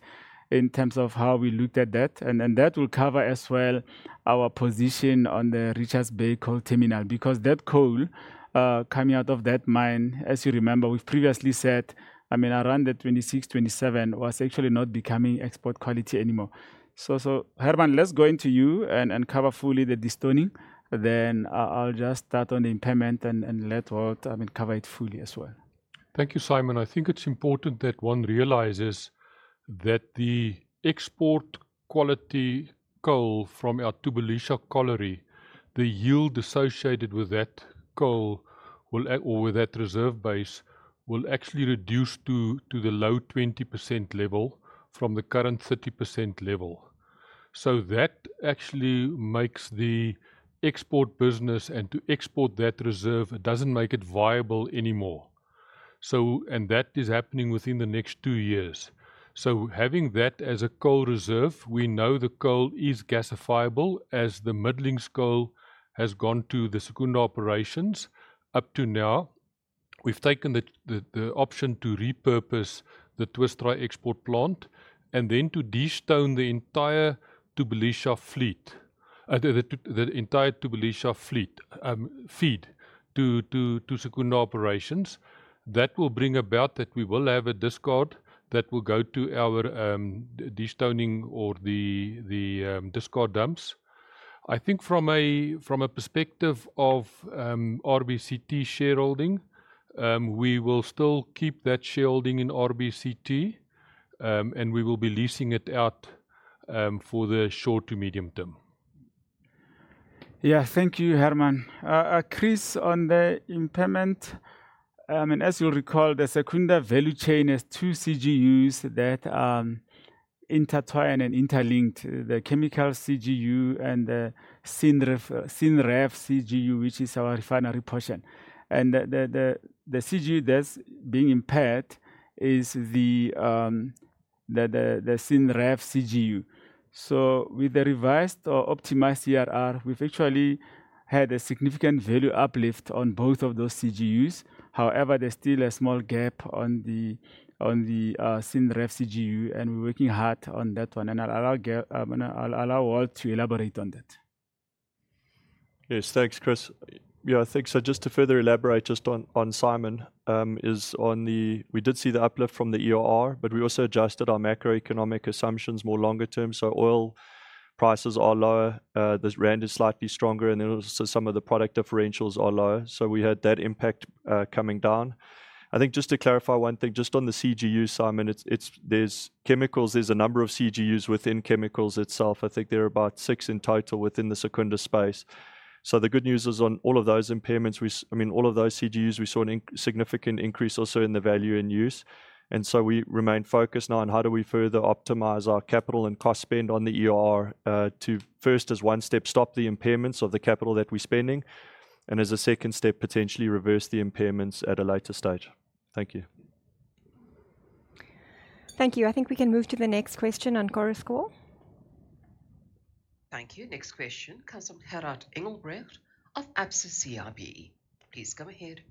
in terms of how we looked at that. That will cover as well our position on the Richards Bay Coal Terminal, because that coal coming out of that mine, as you remember, we've previously said around the 2026, 2027 was actually not becoming export quality anymore. Hermann, let's go into you and cover fully the destoning. I'll just start on the impairment and let Robert cover it fully as well. Thank you, Simon. It's important that one realizes that the export quality coal from our Thubelisha colliery, the yield associated with that coal or with that reserve base will actually reduce to the low 20% level from the current 30% level. That actually makes the export business and to export that reserve, it doesn't make it viable anymore. That is happening within the next two years. Having that as a coal reserve, we know the coal is gasifiable as the middlings coal has gone to the Secunda operations up to now. We've taken the option to repurpose the Twistdraai export plant and then to destoning the entire Thubelisha fleet feed to Secunda operations. That will bring about that we will have a discard that will go to our destoning or the discard dumps. From a perspective of RBCT shareholding, we will still keep that shareholding in RBCT, and we will be leasing it out for the short to medium term. Yeah, thank you, Hermann. Chris, on the impairment as you'll recall, the Secunda value chain is two CGUs that intertwine and interlink, the chemical CGU and the syn ref CGU, which is our refinery portion. The CGU that's being impaired is the syn ref CGU. With the revised or optimized ERR, we've actually had a significant value uplift on both of those CGUs. However, there's still a small gap on the syn ref CGU, and we're working hard on that one. I'll allow Walt to elaborate on that. Yes, thanks, Chris. Yeah, thanks. Just to further elaborate just on Simon is on the, we did see the uplift from the ERR, but we also adjusted our macroeconomic assumptions more longer term. Oil prices are lower, the rand is slightly stronger, and then also some of the product differentials are lower. We had that impact coming down. Just to clarify one thing, just on the CGU, Simon, there's chemicals, there's a number of CGUs within chemicals itself. There are about six in total within the Secunda space. The good news is on all of those impairments all of those CGUs, we saw a significant increase also in the value in use. We remain focused now on how do we further optimize our capital and cost spend on the ERR to first, as one step, stop the impairments of the capital that we're spending. As a second step, potentially reverse the impairments at a later stage. Thank you. Thank you. We can move to the next question on Chorus Call. Thank you. Next question, Gerhard Engelbrecht of Absa CIB. Please come ahead.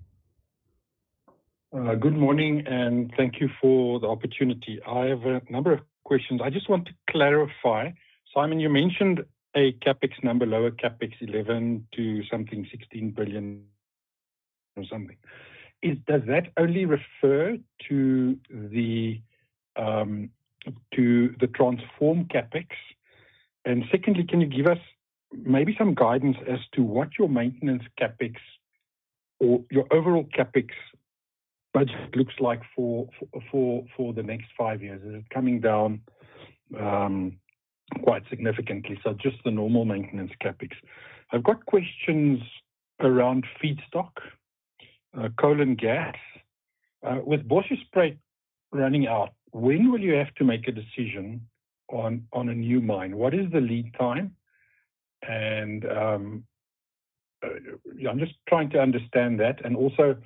Good morning and thank you for the opportunity. I have a number of questions. I just want to clarify. Simon, you mentioned a CapEx number, lower CapEx $11-$16 billion or something. Does that only refer to the transform CapEx? Secondly, can you give us maybe some guidance as to what your maintenance CapEx or your overall CapEx budget looks like for the next five years? Is it coming down quite significantly? Just the normal maintenance CapEx. I've got questions around feedstock, coal and gas. With Bosjesspruit spread running out, when will you have to make a decision on a new mine? What is the lead time? I'm just trying to understand that. Also,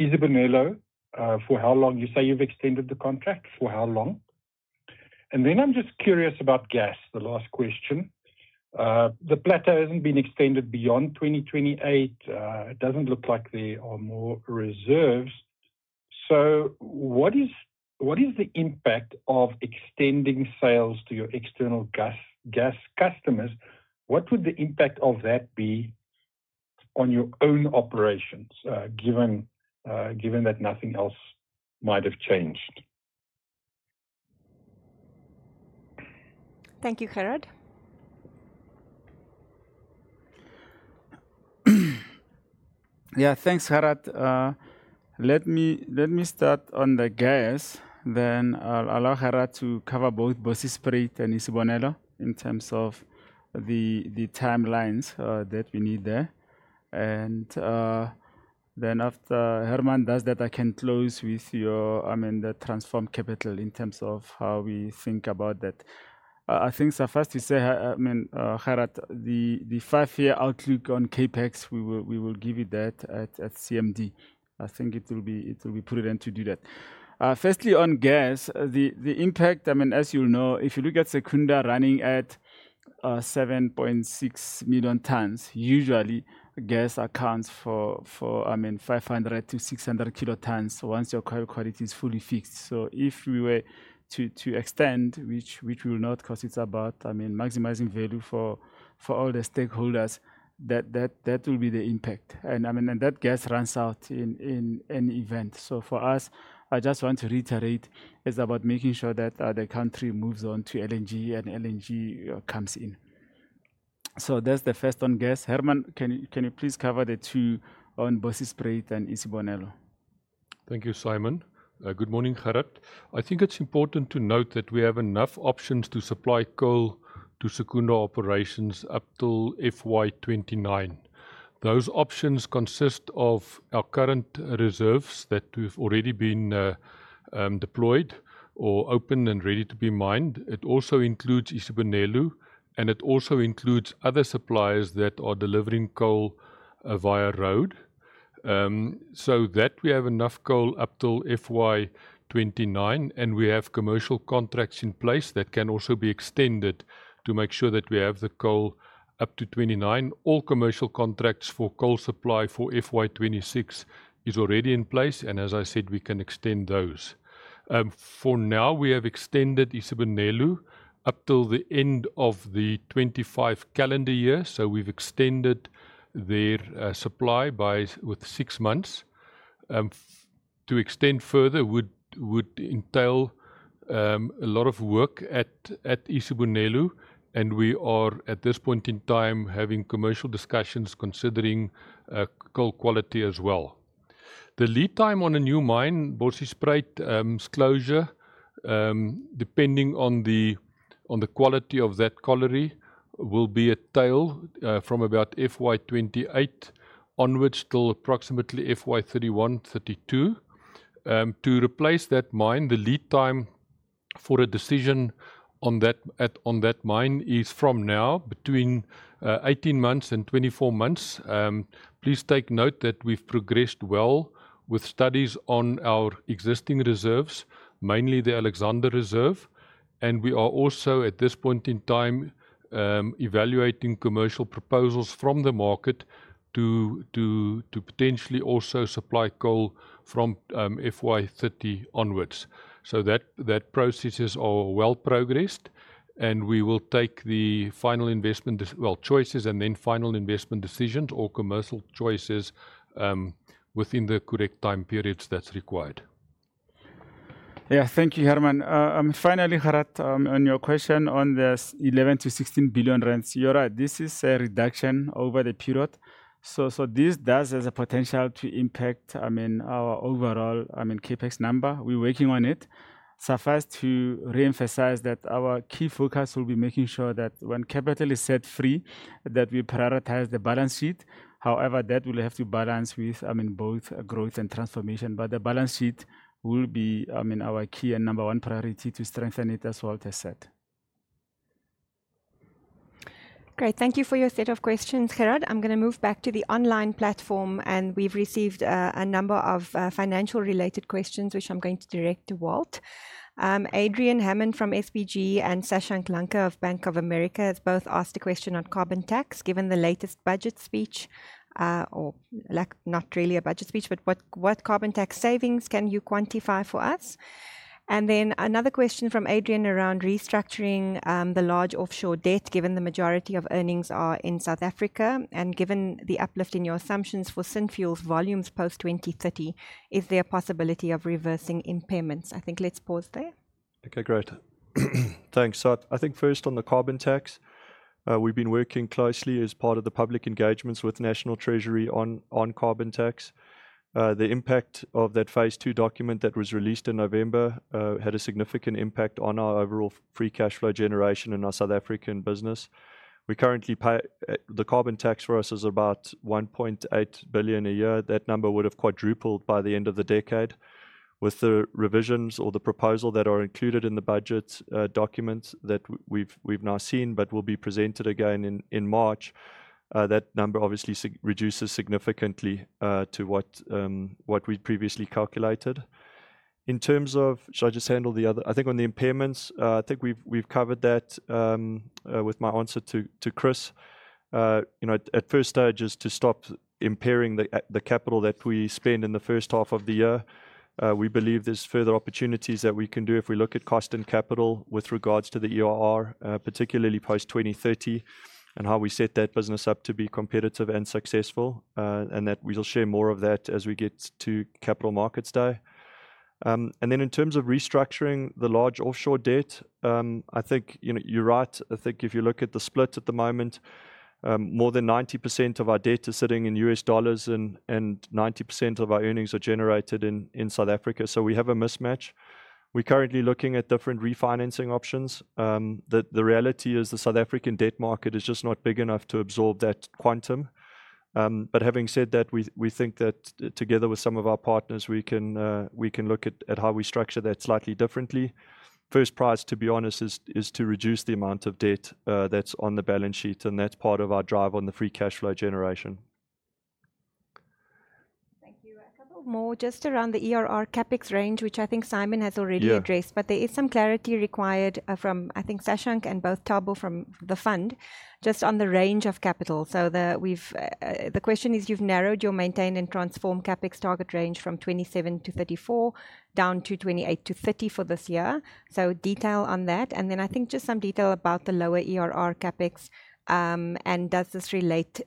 Isibonelo, for how long? You say you've extended the contract for how long? I'm just curious about gas, the last question. The plateau hasn't been extended beyond 2028. It doesn't look like there are more reserves. What is the impact of extending sales to your external gas customers? What would the impact of that be on your own operations given that nothing else might have changed? Thank you, Gerhard. Yeah, thanks, Gerhard. Let me start on the gas. I'll allow Hermann to cover both Bosjesspruit and Isibonelo in terms of the timelines that we need there. After Hermann does that, I can close with your the transformation capital in terms of how we think about that. First we say Gerhard, the five-year outlook on CapEx, we will give you that at CMD. It will be prudent to do that. Firstly, on gas, the impact as you'll know, if you look at Secunda running at 7.6 million tons, usually gas accounts for 500-600 kilotons once your coal quality is fully fixed. If we were to extend, which we will not because it's about maximizing value for all the stakeholders, that will be the impact. That gas runs out in any event. For us, I just want to reiterate, it's about making sure that the country moves on to LNG and LNG comes in. That's the first on gas. Hermann, can you please cover the two on Bosjesspruit and Isibonelo? Thank you, Simon. Good morning, Gerhard. I think it's important to note that we have enough options to supply coal to Secunda operations up till FY29. Those options consist of our current reserves that we've already been deployed or open and ready to be mined. It also includes Isibonelo, and it also includes other suppliers that are delivering coal via road. That we have enough coal up till FY29, and we have commercial contracts in place that can also be extended to make sure that we have the coal up to 2029. All commercial contracts for coal supply for FY26 is already in place. As I said, we can extend those. For now, we have extended Isibonelo up till the end of the 2025 calendar year. We've extended their supply by six months. To extend further would entail a lot of work at Isibonelo, and we are at this point in time having commercial discussions considering coal quality as well. The lead time on a new mine, Bosjesspruit closure, depending on the quality of that colliery, will be a tail from about FY28 onwards till approximately FY31, 32. To replace that mine, the lead time for a decision on that mine is from now between 18 months and 24 months. Please take note that we've progressed well with studies on our existing reserves, mainly the Alexander reserve. We are also at this point in time evaluating commercial proposals from the market to potentially also supply coal from FY30 onwards. That processes are well progressed, and we will take the final investment, well, choices and then final investment decisions or commercial choices within the correct time periods that are required. Yeah, thank you, Hermann. Finally, Gerhard, on your question on the 11-16 billion, you are right. This is a reduction over the period. This does have a potential to impact our overall, CapEx number. We are working on it. First to reemphasize that our key focus will be making sure that when capital is set free, that we prioritize the balance sheet. However, that will have to balance with both growth and transformation. The balance sheet will be our key and number one priority to strengthen it as Walt has said. Great. Thank you for your set of questions, Gerhard. I'm going to move back to the online platform, and we've received a number of financial-related questions, which I'm going to direct to Walt. Adrian Hammond from SBG and Sasha Naryshkine of Bank of America have both asked a question on carbon tax given the latest budget speech, or not really a budget speech, but what carbon tax savings can you quantify for us? Another question from Adrian around restructuring the large offshore debt given the majority of earnings are in South Africa. Given the uplift in your assumptions for syn fuels volumes post 2030, is there a possibility of reversing impairments? Let's pause there. Okay, great. Thanks. First on the carbon tax, we've been working closely as part of the public engagements with National Treasury on carbon tax. The impact of that phase two document that was released in November had a significant impact on our overall Free Cash Flow generation in our South African business. We currently pay the carbon tax; for us, it is about 1.8 billion a year. That number would have quadrupled by the end of the decade with the revisions or the proposal that are included in the budget documents that we've now seen, but will be presented again in March. That number obviously reduces significantly to what we previously calculated. In terms of, should I just handle the other? On the impairments we've covered that with my answer to Chris. At first stage, just to stop impairing the capital that we spend in the first half of the year, we believe there's further opportunities that we can do if we look at cost and capital with regards to the ERR, particularly post 2030, and how we set that business up to be competitive and successful, and that we'll share more of that as we get to Capital Markets Day. In terms of restructuring the large offshore debt you're right. If you look at the split at the moment, more than 90% of our debt is sitting in U.S. dollars and 90% of our earnings are generated in South Africa. We have a mismatch. We're currently looking at different refinancing options. The reality is the South African debt market is just not big enough to absorb that quantum. Having said that, we think that together with some of our partners, we can look at how we structure that slightly differently. First prize, to be honest, is to reduce the amount of debt that's on the balance sheet, and that's part of our drive on the free cash flow generation. Thank you. A couple more, just around the ERR CapEx range, which Simon has already addressed, but there is some clarity required from Sasha and Thabo from the fund, just on the range of capital. The question is, you've narrowed your maintain and transform CapEx target range from 27-34 down to 28-30 for this year. Detail on that. Just some detail about the lower ERR CapEx. Does this relate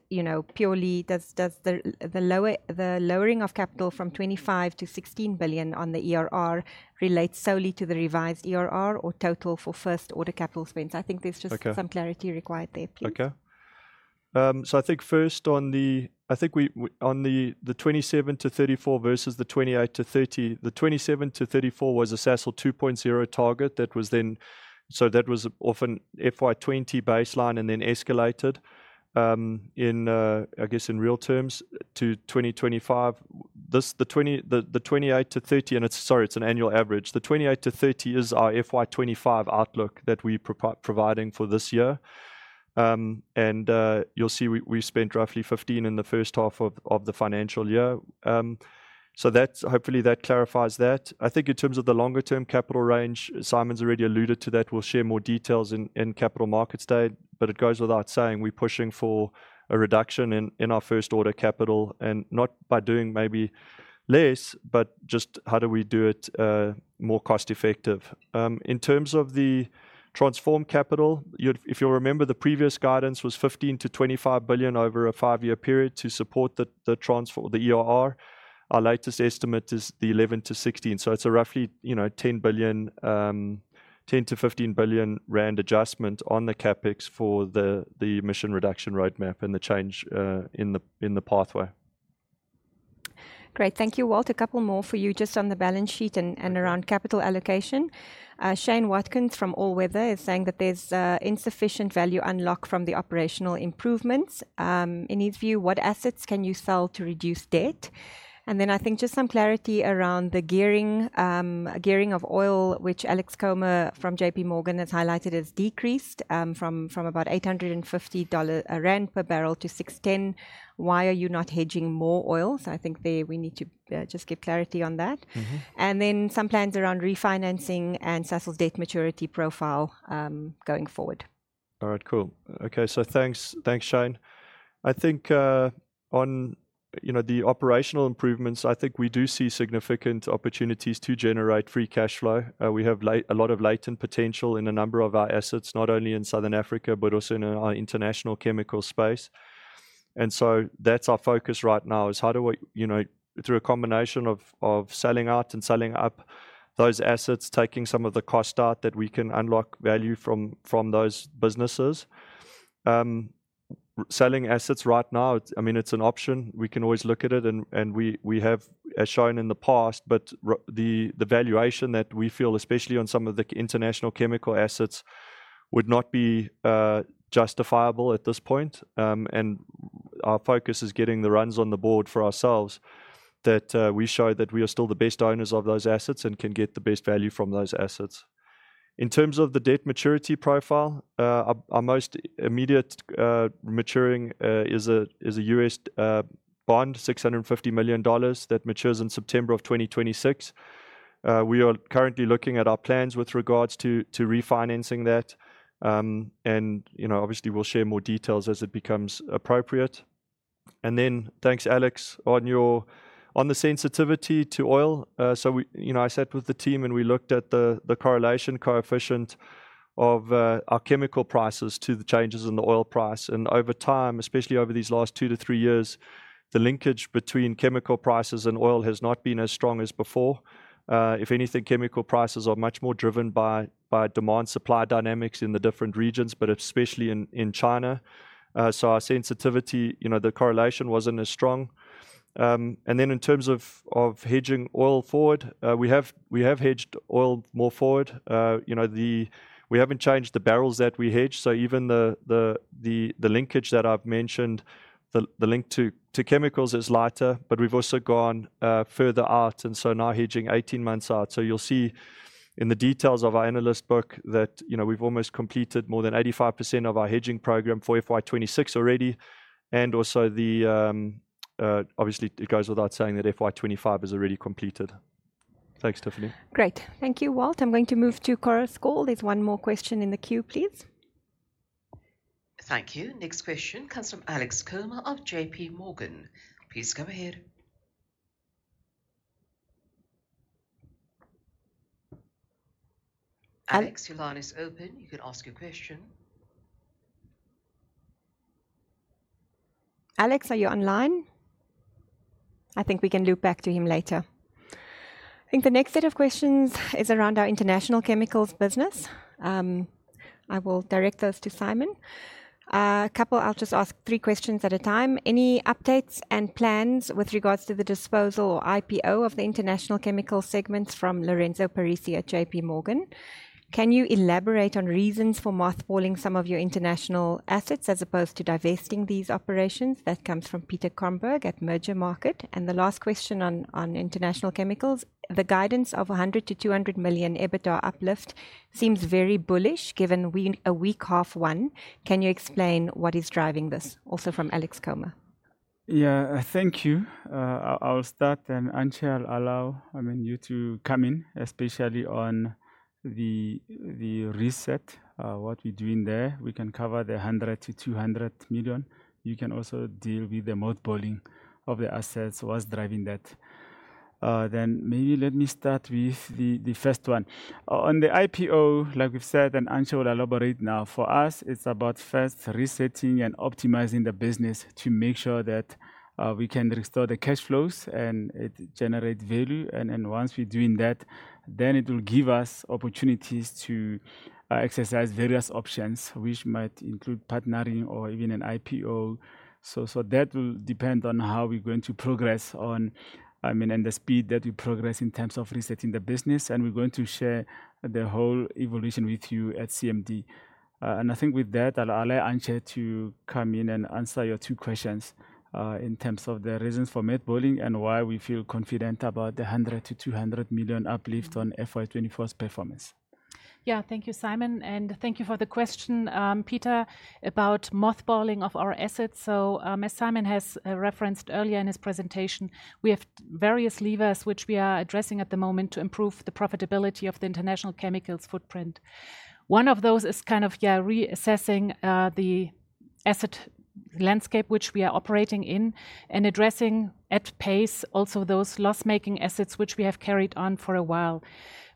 purely? Does the lowering of capital from 25 billion to 16 billion on the ERR relate solely to the revised ERR or total for first order capital spends? There's just some clarity required there. Okay. First on the, I think on the 27 billion to 34 billion versus the 28 billion to 30 billion, the 27 billion to 34 billion was a Sasol 2.0 target that was then, so that was off an FY20 baseline and then escalated in real terms to 2025. The 28 billion to 30 billion, and sorry, it's an annual average. The 28 billion to 30 billion is our FY25 outlook that we're providing for this year. You'll see we spent roughly 15 billion in the first half of the financial year. Hopefully that clarifies that. I think in terms of the longer term capital range, Simon's already alluded to that. We'll share more details in Capital Markets Day, but it goes without saying we're pushing for a reduction in our first order capital, and not by doing maybe less, but just how do we do it more cost-effective. In terms of the transform capital, if you'll remember, the previous guidance was 15-25 billion over a five-year period to support the ERR. Our latest estimate is the 11-16. It's a roughly 10 billion, 10-15 billion rand adjustment on the CapEx for the emission reduction roadmap and the change in the pathway. Great. Thank you, Walt. A couple more for you just on the balance sheet and around capital allocation. Shane Watkins from All Weather is saying that there's insufficient value unlock from the operational improvements. In his view, what assets can you sell to reduce debt? Just some clarity around the gearing of oil, which Alex Comer from J.P. Morgan has highlighted as decreased from about $850 rand per barrel to $610. Why are you not hedging more oil? We need to just get clarity on that, and then some plans around refinancing and Sasol debt maturity profile going forward. All right, cool. Okay, so thanks, Shane. On the operational improvements, we do see significant opportunities to generate free cash flow. We have a lot of latent potential in a number of our assets, not only in Southern Africa, but also in our international chemical space. That's our focus right now is how do we, through a combination of selling out and selling up those assets, taking some of the cost out that we can unlock value from those businesses. Selling assets right now it's an option. We can always look at it, and we have, as shown in the past, but the valuation that we feel, especially on some of the international chemical assets, would not be justifiable at this point. Our focus is getting the runs on the board for ourselves that we show that we are still the best owners of those assets and can get the best value from those assets. In terms of the debt maturity profile, our most immediate maturing is a U.S. bond, $650 million that matures in September of 2026. We are currently looking at our plans with regards to refinancing that. Obviously, we'll share more details as it becomes appropriate. Thanks, Alex, on the sensitivity to oil. I sat with the team and we looked at the correlation coefficient of our chemical prices to the changes in the oil price. Over time, especially over these last two to three years, the linkage between chemical prices and oil has not been as strong as before. If anything, chemical prices are much more driven by demand-supply dynamics in the different regions, but especially in China. Our sensitivity, the correlation wasn't as strong. In terms of hedging oil forward, we have hedged oil more forward. We haven't changed the barrels that we hedge. Even the linkage that I've mentioned, the link to chemicals is lighter, but we've also gone further out. Now hedging 18 months out. You'll see in the details of our analyst book that we've almost completed more than 85% of our hedging program for FY26 already. Also, obviously, it goes without saying that FY25 is already completed. Thanks, Tiffany. Great. Thank you, Walt. I'm going to move to Coral School. There's one more question in the queue, please. Thank you. Next question comes from Alex Comer of J.P. Morgan. Please go ahead. Alex, your line is open. You can ask your question. Alex, are you online? I think we can loop back to him later. The next set of questions is around our international chemicals business. I will direct those to Simon. A couple, I'll just ask three questions at a time. Any updates and plans with regards to the disposal or IPO of the international chemical segments from Lorenzo Parisi at J.P. Morgan? Can you elaborate on reasons for mothballing some of your international assets as opposed to divesting these operations? That comes from Peter Cromberge at Mergermarket. The last question on international chemicals, the guidance of $100 million-$200 million EBITDA uplift seems very bullish given a weak half one. Can you explain what is driving this? Also from Alex Comer. Yeah, thank you. I'll start and until I'll allow you to come in, especially on the reset, what we're doing there. We can cover the $100 million-$200 million. You can also deal with the mothballing of the assets. What's driving that? Then maybe let me start with the first one. On the IPO, like we've said, and I'll elaborate now. For us, it's about first resetting and optimizing the business to make sure that we can restore the cash flows and it generates value. Once we're doing that, then it will give us opportunities to exercise various options, which might include partnering or even an IPO. That will depend on how we're going to progress on and the speed that we progress in terms of resetting the business. We're going to share the whole evolution with you at CMD. With that, I'll allow Antje to come in and answer your two questions in terms of the reasons for mothballing and why we feel confident about the 100 million-200 million uplift on FY24's performance. Yeah, thank you, Simon. Thank you for the question, Peter, about mothballing of our assets. As Simon has referenced earlier in his presentation, we have various levers which we are addressing at the moment to improve the profitability of the international chemicals footprint. One of those is reassessing the asset landscape which we are operating in and addressing at pace also those loss-making assets which we have carried on for a while.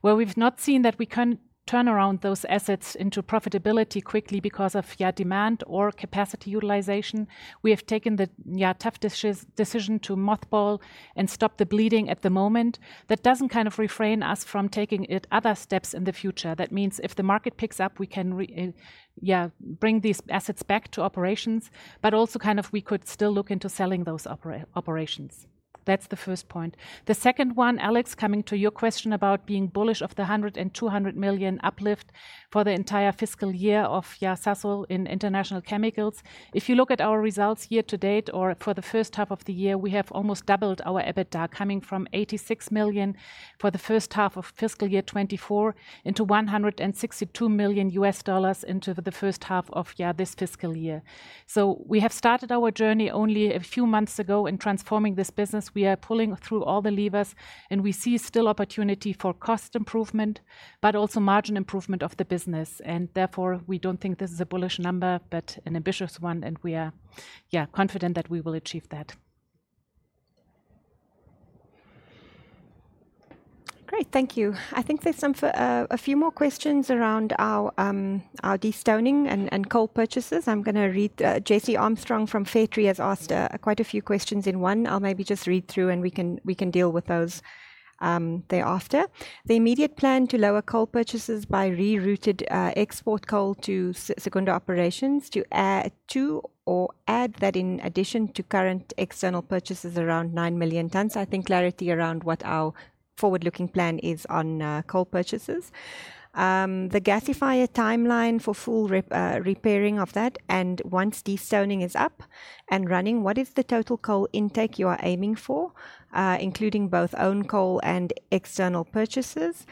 Where we've not seen that we can turn around those assets into profitability quickly because of, yeah, demand or capacity utilization, we have taken the, yeah, tough decision to mothball and stop the bleeding at the moment. That doesn't refrain us from taking other steps in the future. That means if the market picks up, we can, yeah, bring these assets back to operations, but also we could still look into selling those operations. That's the first point. The second one, Alex, coming to your question about being bullish of the $100 million-$200 million uplift for the entire fiscal year of Sasol in international chemicals. If you look at our results year to date or for the first half of the year, we have almost doubled our EBITDA coming from $86 million for the first half of fiscal year 24 into $162 million U.S. dollars into the first half of, yeah, this fiscal year. We have started our journey only a few months ago in transforming this business. We are pulling through all the levers and we see still opportunity for cost improvement, but also margin improvement of the business. Therefore, we don't think this is a bullish number, but an ambitious one, and we are, yeah, confident that we will achieve that. Great, thank you. There's a few more questions around our destoning and coal purchases. I'm going to read J.C. Armstrong from Fairtree has asked quite a few questions in one. I'll maybe just read through and we can deal with those thereafter. The immediate plan to lower coal purchases by rerouting export coal to Secunda operations to add to or add that in addition to current external purchases around nine million tons. Clarity around what our forward-looking plan is on coal purchases. The gasifier timeline for full repairing of that, and once destoning is up and running, what is the total coal intake you are aiming for, including both own coal and external purchases?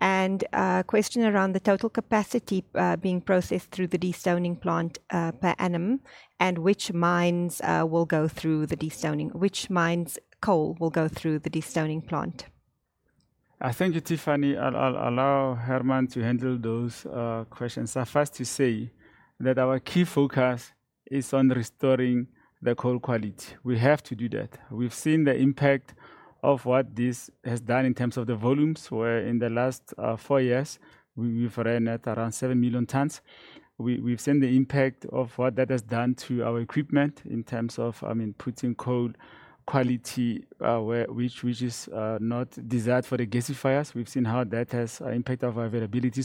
And a question around the total capacity being processed through the destoning plant per annum and which mines will go through the destoning, which mines coal will go through the destoning plant? I thank you, Tiffany. I'll allow Hermann to handle those questions. First to say that our key focus is on restoring the coal quality. We have to do that. We've seen the impact of what this has done in terms of the volumes where in the last four years, we've ran at around seven million tons. We've seen the impact of what that has done to our equipment in terms of putting coal quality, which is not desired for the gasifiers. We've seen how that has impacted our availability.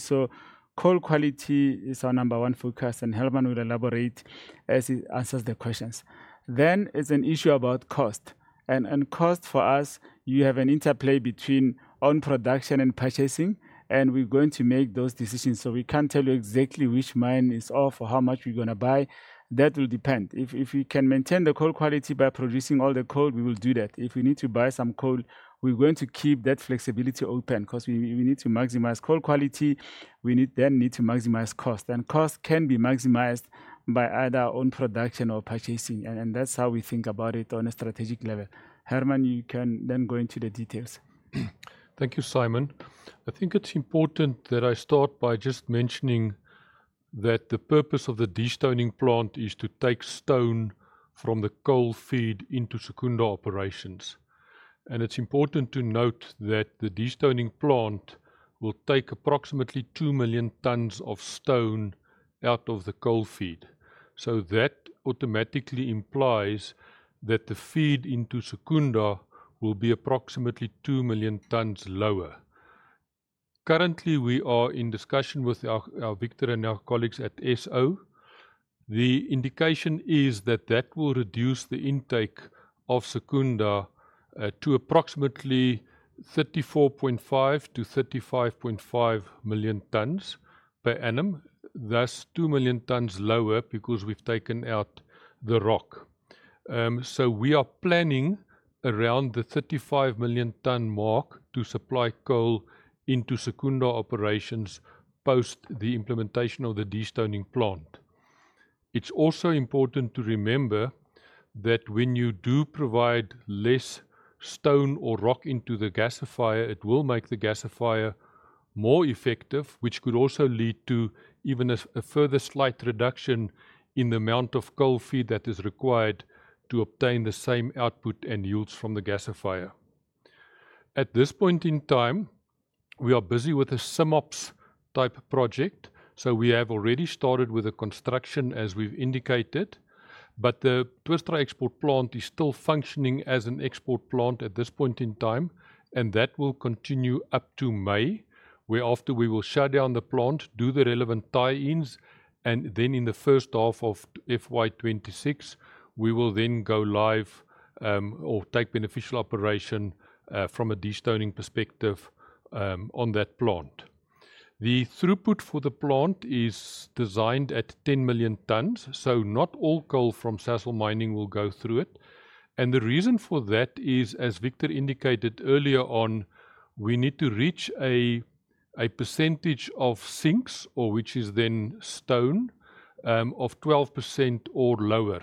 Coal quality is our number one focus, and Hermann will elaborate as he answers the questions. It's an issue about cost, and cost for us, you have an interplay between own production and purchasing, and we're going to make those decisions. We can't tell you exactly which mine is off or how much we're going to buy. That will depend. If we can maintain the coal quality by producing all the coal, we will do that. If we need to buy some coal, we're going to keep that flexibility open because we need to maximize coal quality. We then need to maximize cost. Cost can be maximized by either own production or purchasing. That's how we think about it on a strategic level. Hermann, you can then go into the details. Thank you, Simon. It's important that I start by just mentioning that the purpose of the destoning plant is to take stone from the coal feed into Secunda operations. It's important to note that the destoning plant will take approximately 2 million tons of stone out of the coal feed. That automatically implies that the feed into Secunda will be approximately 2 million tons lower. Currently, we are in discussion with our Victor and our colleagues at SO. The indication is that that will reduce the intake of Secunda to approximately 34.5 million-35.5 million tons per annum, thus 2 million tons lower because we've taken out the rock, so we are planning around the 35 million ton mark to supply coal into Secunda operations post the implementation of the destoning plant. It's also important to remember that when you do provide less stone or rock into the gasifier, it will make the gasifier more effective, which could also lead to even a further slight reduction in the amount of coal feed that is required to obtain the same output and yields from the gasifier. At this point in time, we are busy with a SumOps type project. We have already started with the construction as we've indicated, but the Twistdraai Export Plant is still functioning as an export plant at this point in time, and that will continue up to May, whereafter we will shut down the plant, do the relevant tie-ins, and then in the first half of FY26, we will then go live or take beneficial operation from a destoning perspective on that plant. The throughput for the plant is designed at 10 million tons, so not all coal from Sasol mining will go through it. The reason for that is, as Victor indicated earlier on, we need to reach a percentage of sinks, or which is then stone, of 12% or lower.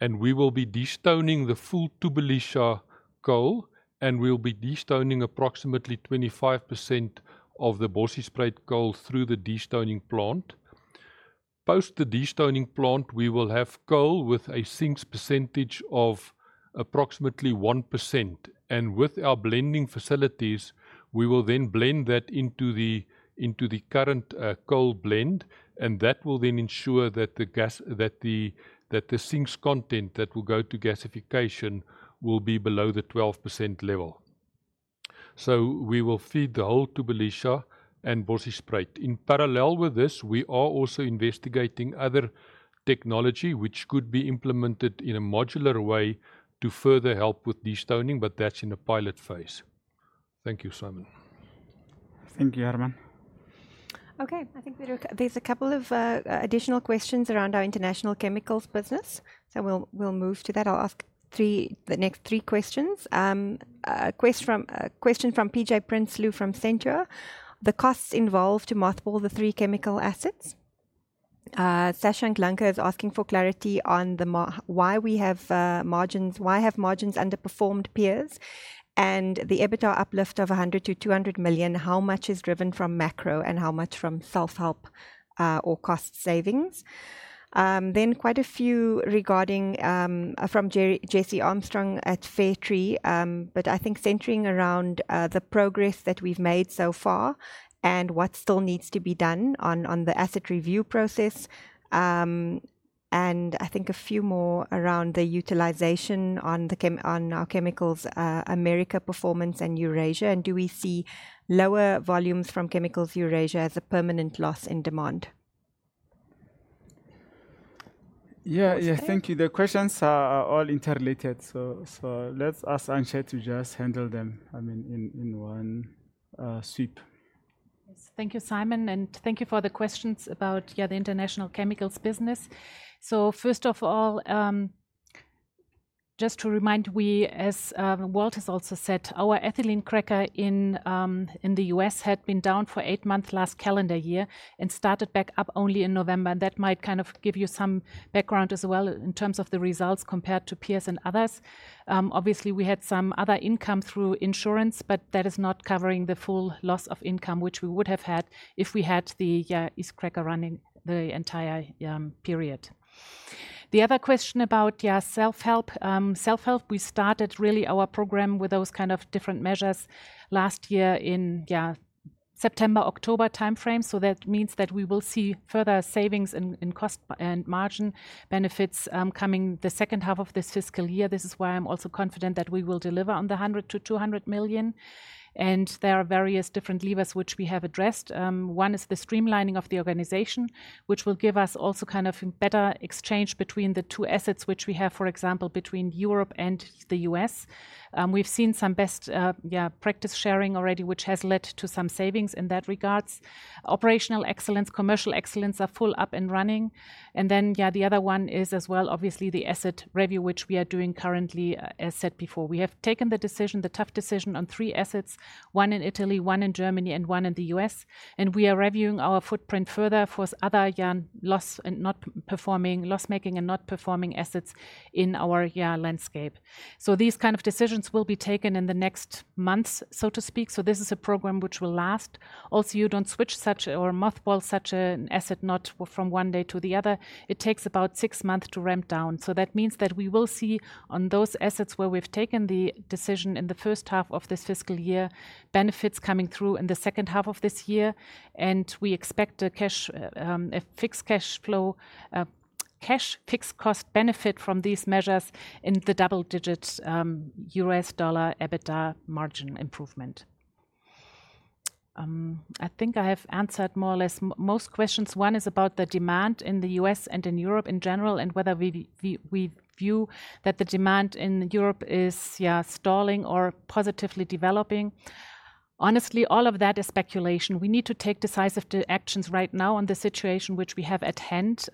We will be destoning the full Thubelisha coal, and we'll be destoning approximately 25% of the Bosjesspruit coal through the destoning plant. Post the destoning plant, we will have coal with a sinks percentage of approximately 1%, and with our blending facilities, we will then blend that into the current coal blend, and that will then ensure that the sinks content that will go to gasification will be below the 12% level, so we will feed the whole Thubelisha and Bosjesspruit. In parallel with this, we are also investigating other technology which could be implemented in a modular way to further help with destoning, but that's in a pilot phase. Thank you, Simon. Thank you, Hermann. Okay, there's a couple of additional questions around our international chemicals business, so we'll move to that. I'll ask the next three questions. A question from P.J. Prinsloo from Sentio Capital. The costs involved to mothball the three chemical assets. Sasha Naryshkine is asking for clarity on why we have margins, why have margins underperformed peers, and the EBITDA uplift of $100 million-$200 million, how much is driven from macro and how much from self-help or cost savings. Then quite a few regarding from J.C. Armstrong at Fairtree, but centering around the progress that we've made so far and what still needs to be done on the asset review process. A few more around the utilization on our Chemicals America performance and Eurasia. Do we see lower volumes from Chemicals Eurasia as a permanent loss in demand? Yeah, thank you. The questions are all interrelated. Let's ask Antje to just handle them in one sweep. Thank you, Simon, and thank you for the questions about, yeah, the international chemicals business. First of all, just to remind, as Walt has also said, our ethylene cracker in the U.S. had been down for eight months last calendar year and started back up only in November. That might give you some background as well in terms of the results compared to peers and others. Obviously, we had some other income through insurance, but that is not covering the full loss of income which we would have had if we had the East Cracker running the entire period. The other question about self-help. Self-help, we started really our program with those different measures last year in September, October timeframe. That means that we will see further savings in cost and margin benefits coming the second half of this fiscal year. This is why I'm also confident that we will deliver on the $100 million-$200 million. There are various different levers which we have addressed. One is the streamlining of the organization, which will give us also better exchange between the two assets which we have, for example, between Europe and the U.S. We've seen some best practice sharing already, which has led to some savings in that regard. Operational excellence, commercial excellence are fully up and running. Yeah, the other one is as well, obviously, the asset review, which we are doing currently, as said before. We have taken the decision, the tough decision on three assets, one in Italy, one in Germany, and one in the U.S. We are reviewing our footprint further for other loss-making and not performing assets in our landscape. These decisions will be taken in the next months, so to speak. This is a program which will last. Also, you don't switch such or mothball such an asset not from one day to the other. It takes about six months to ramp down. That means that we will see on those assets where we've taken the decision in the first half of this fiscal year, benefits coming through in the second half of this year. We expect a fixed cash flow, cash fixed cost benefit from these measures in the double-digit USD EBITDA margin improvement. I have answered more or less most questions. One is about the demand in the U.S. and in Europe in general and whether we view that the demand in Europe is, yeah, stalling or positively developing. Honestly, all of that is speculation. We need to take decisive actions right now on the situation which we have at hand.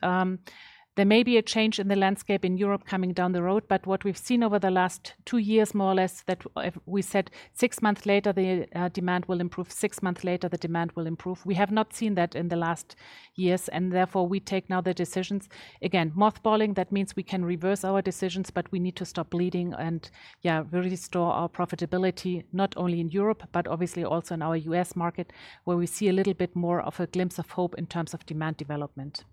There may be a change in the landscape in Europe coming down the road, but what we've seen over the last two years, more or less, that we said six months later the demand will improve, six months later the demand will improve. We have not seen that in the last years, and therefore we take now the decisions. Again, mothballing, that means we can reverse our decisions, but we need to stop bleeding and, yeah, restore our profitability not only in Europe, but obviously also in our U.S. market where we see a little bit more of a glimpse of hope in terms of demand development.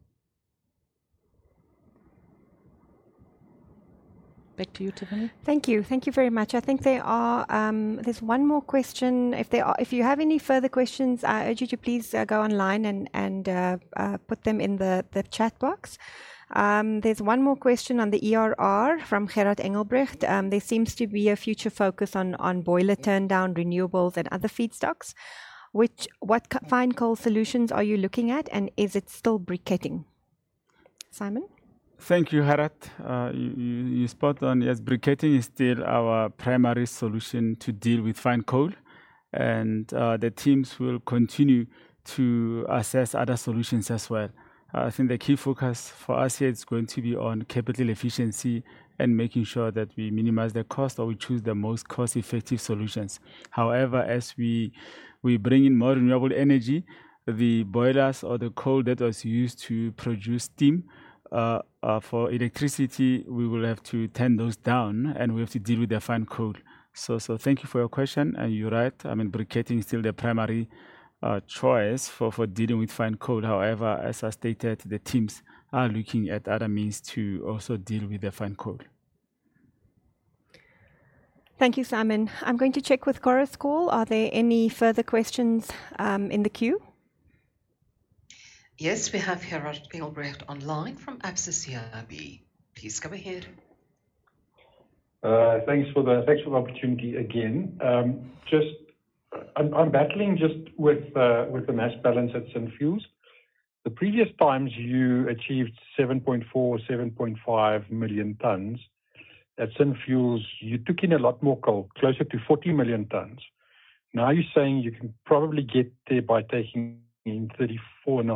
Back to you, Tiffany. Thank you. Thank you very much. I think there's one more question. If you have any further questions, I urge you to please go online and put them in the chat box. There's one more question on the ERR from Gerhard Engelbrecht. There seems to be a future focus on boiler turndown, renewables, and other feedstocks. What fine coal solutions are you looking at, and is it still briquetting? Simon? Thank you, Gerhard. You're spot on. Yes, briquetting is still our primary solution to deal with fine coal. The teams will continue to assess other solutions as well. The key focus for us here is going to be on capital efficiency and making sure that we minimize the cost or we choose the most cost-effective solutions. However, as we bring in more renewable energy, the boilers or the coal that are used to produce steam for electricity, we will have to turn those down, and we have to deal with the fine coal. Thank you for your question. You're right. Briquetting is still the primary choice for dealing with fine coal. However, as I stated, the teams are looking at other means to also deal with the fine coal. Thank you, Simon. I'm going to check with Chorus Call. Are there any further questions in the queue? Yes, we have Gerhard Engelbrecht online from Absa CIB. Please come ahead. Thanks for the opportunity again. I'm battling just with the mass balance at Synfuels. The previous times you achieved 7.4 million-7.5 million tons. At Synfuels, you took in a lot more coal, closer to 40 million tons. Now you're saying you can probably get there by taking in 34.5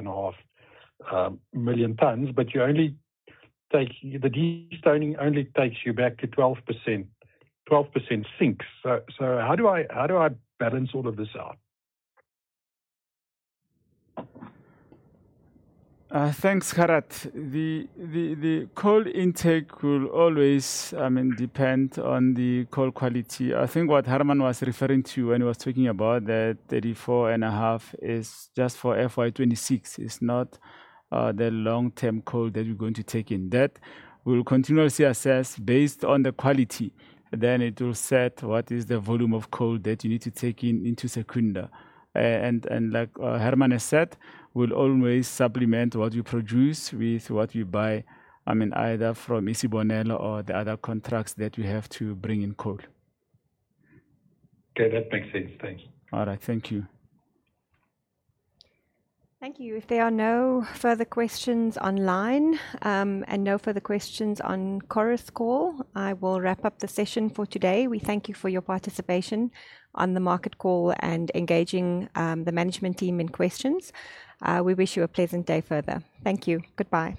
million-35.5 million tons, but the destoning only takes you back to 12% sinks. How do I balance all of this out? Thanks, Gerhard. The coal intake will always depend on the coal quality. What Hermann was referring to when he was talking about that 34.5 is just for FY26. It's not the long-term coal that you're going to take in. That will continuously assess based on the quality. It will set what is the volume of coal that you need to take in into Secunda. Like Hermann has said, we'll always supplement what you produce with what you buy either from EC Bonel or the other contracts that you have to bring in coal. Okay, that makes sense. Thanks. All right, thank you. Thank you. If there are no further questions online and no further questions on Chorus Call, I will wrap up the session for today. We thank you for your participation on the market call and engaging the management team in questions. We wish you a pleasant day further. Thank you. Goodbye.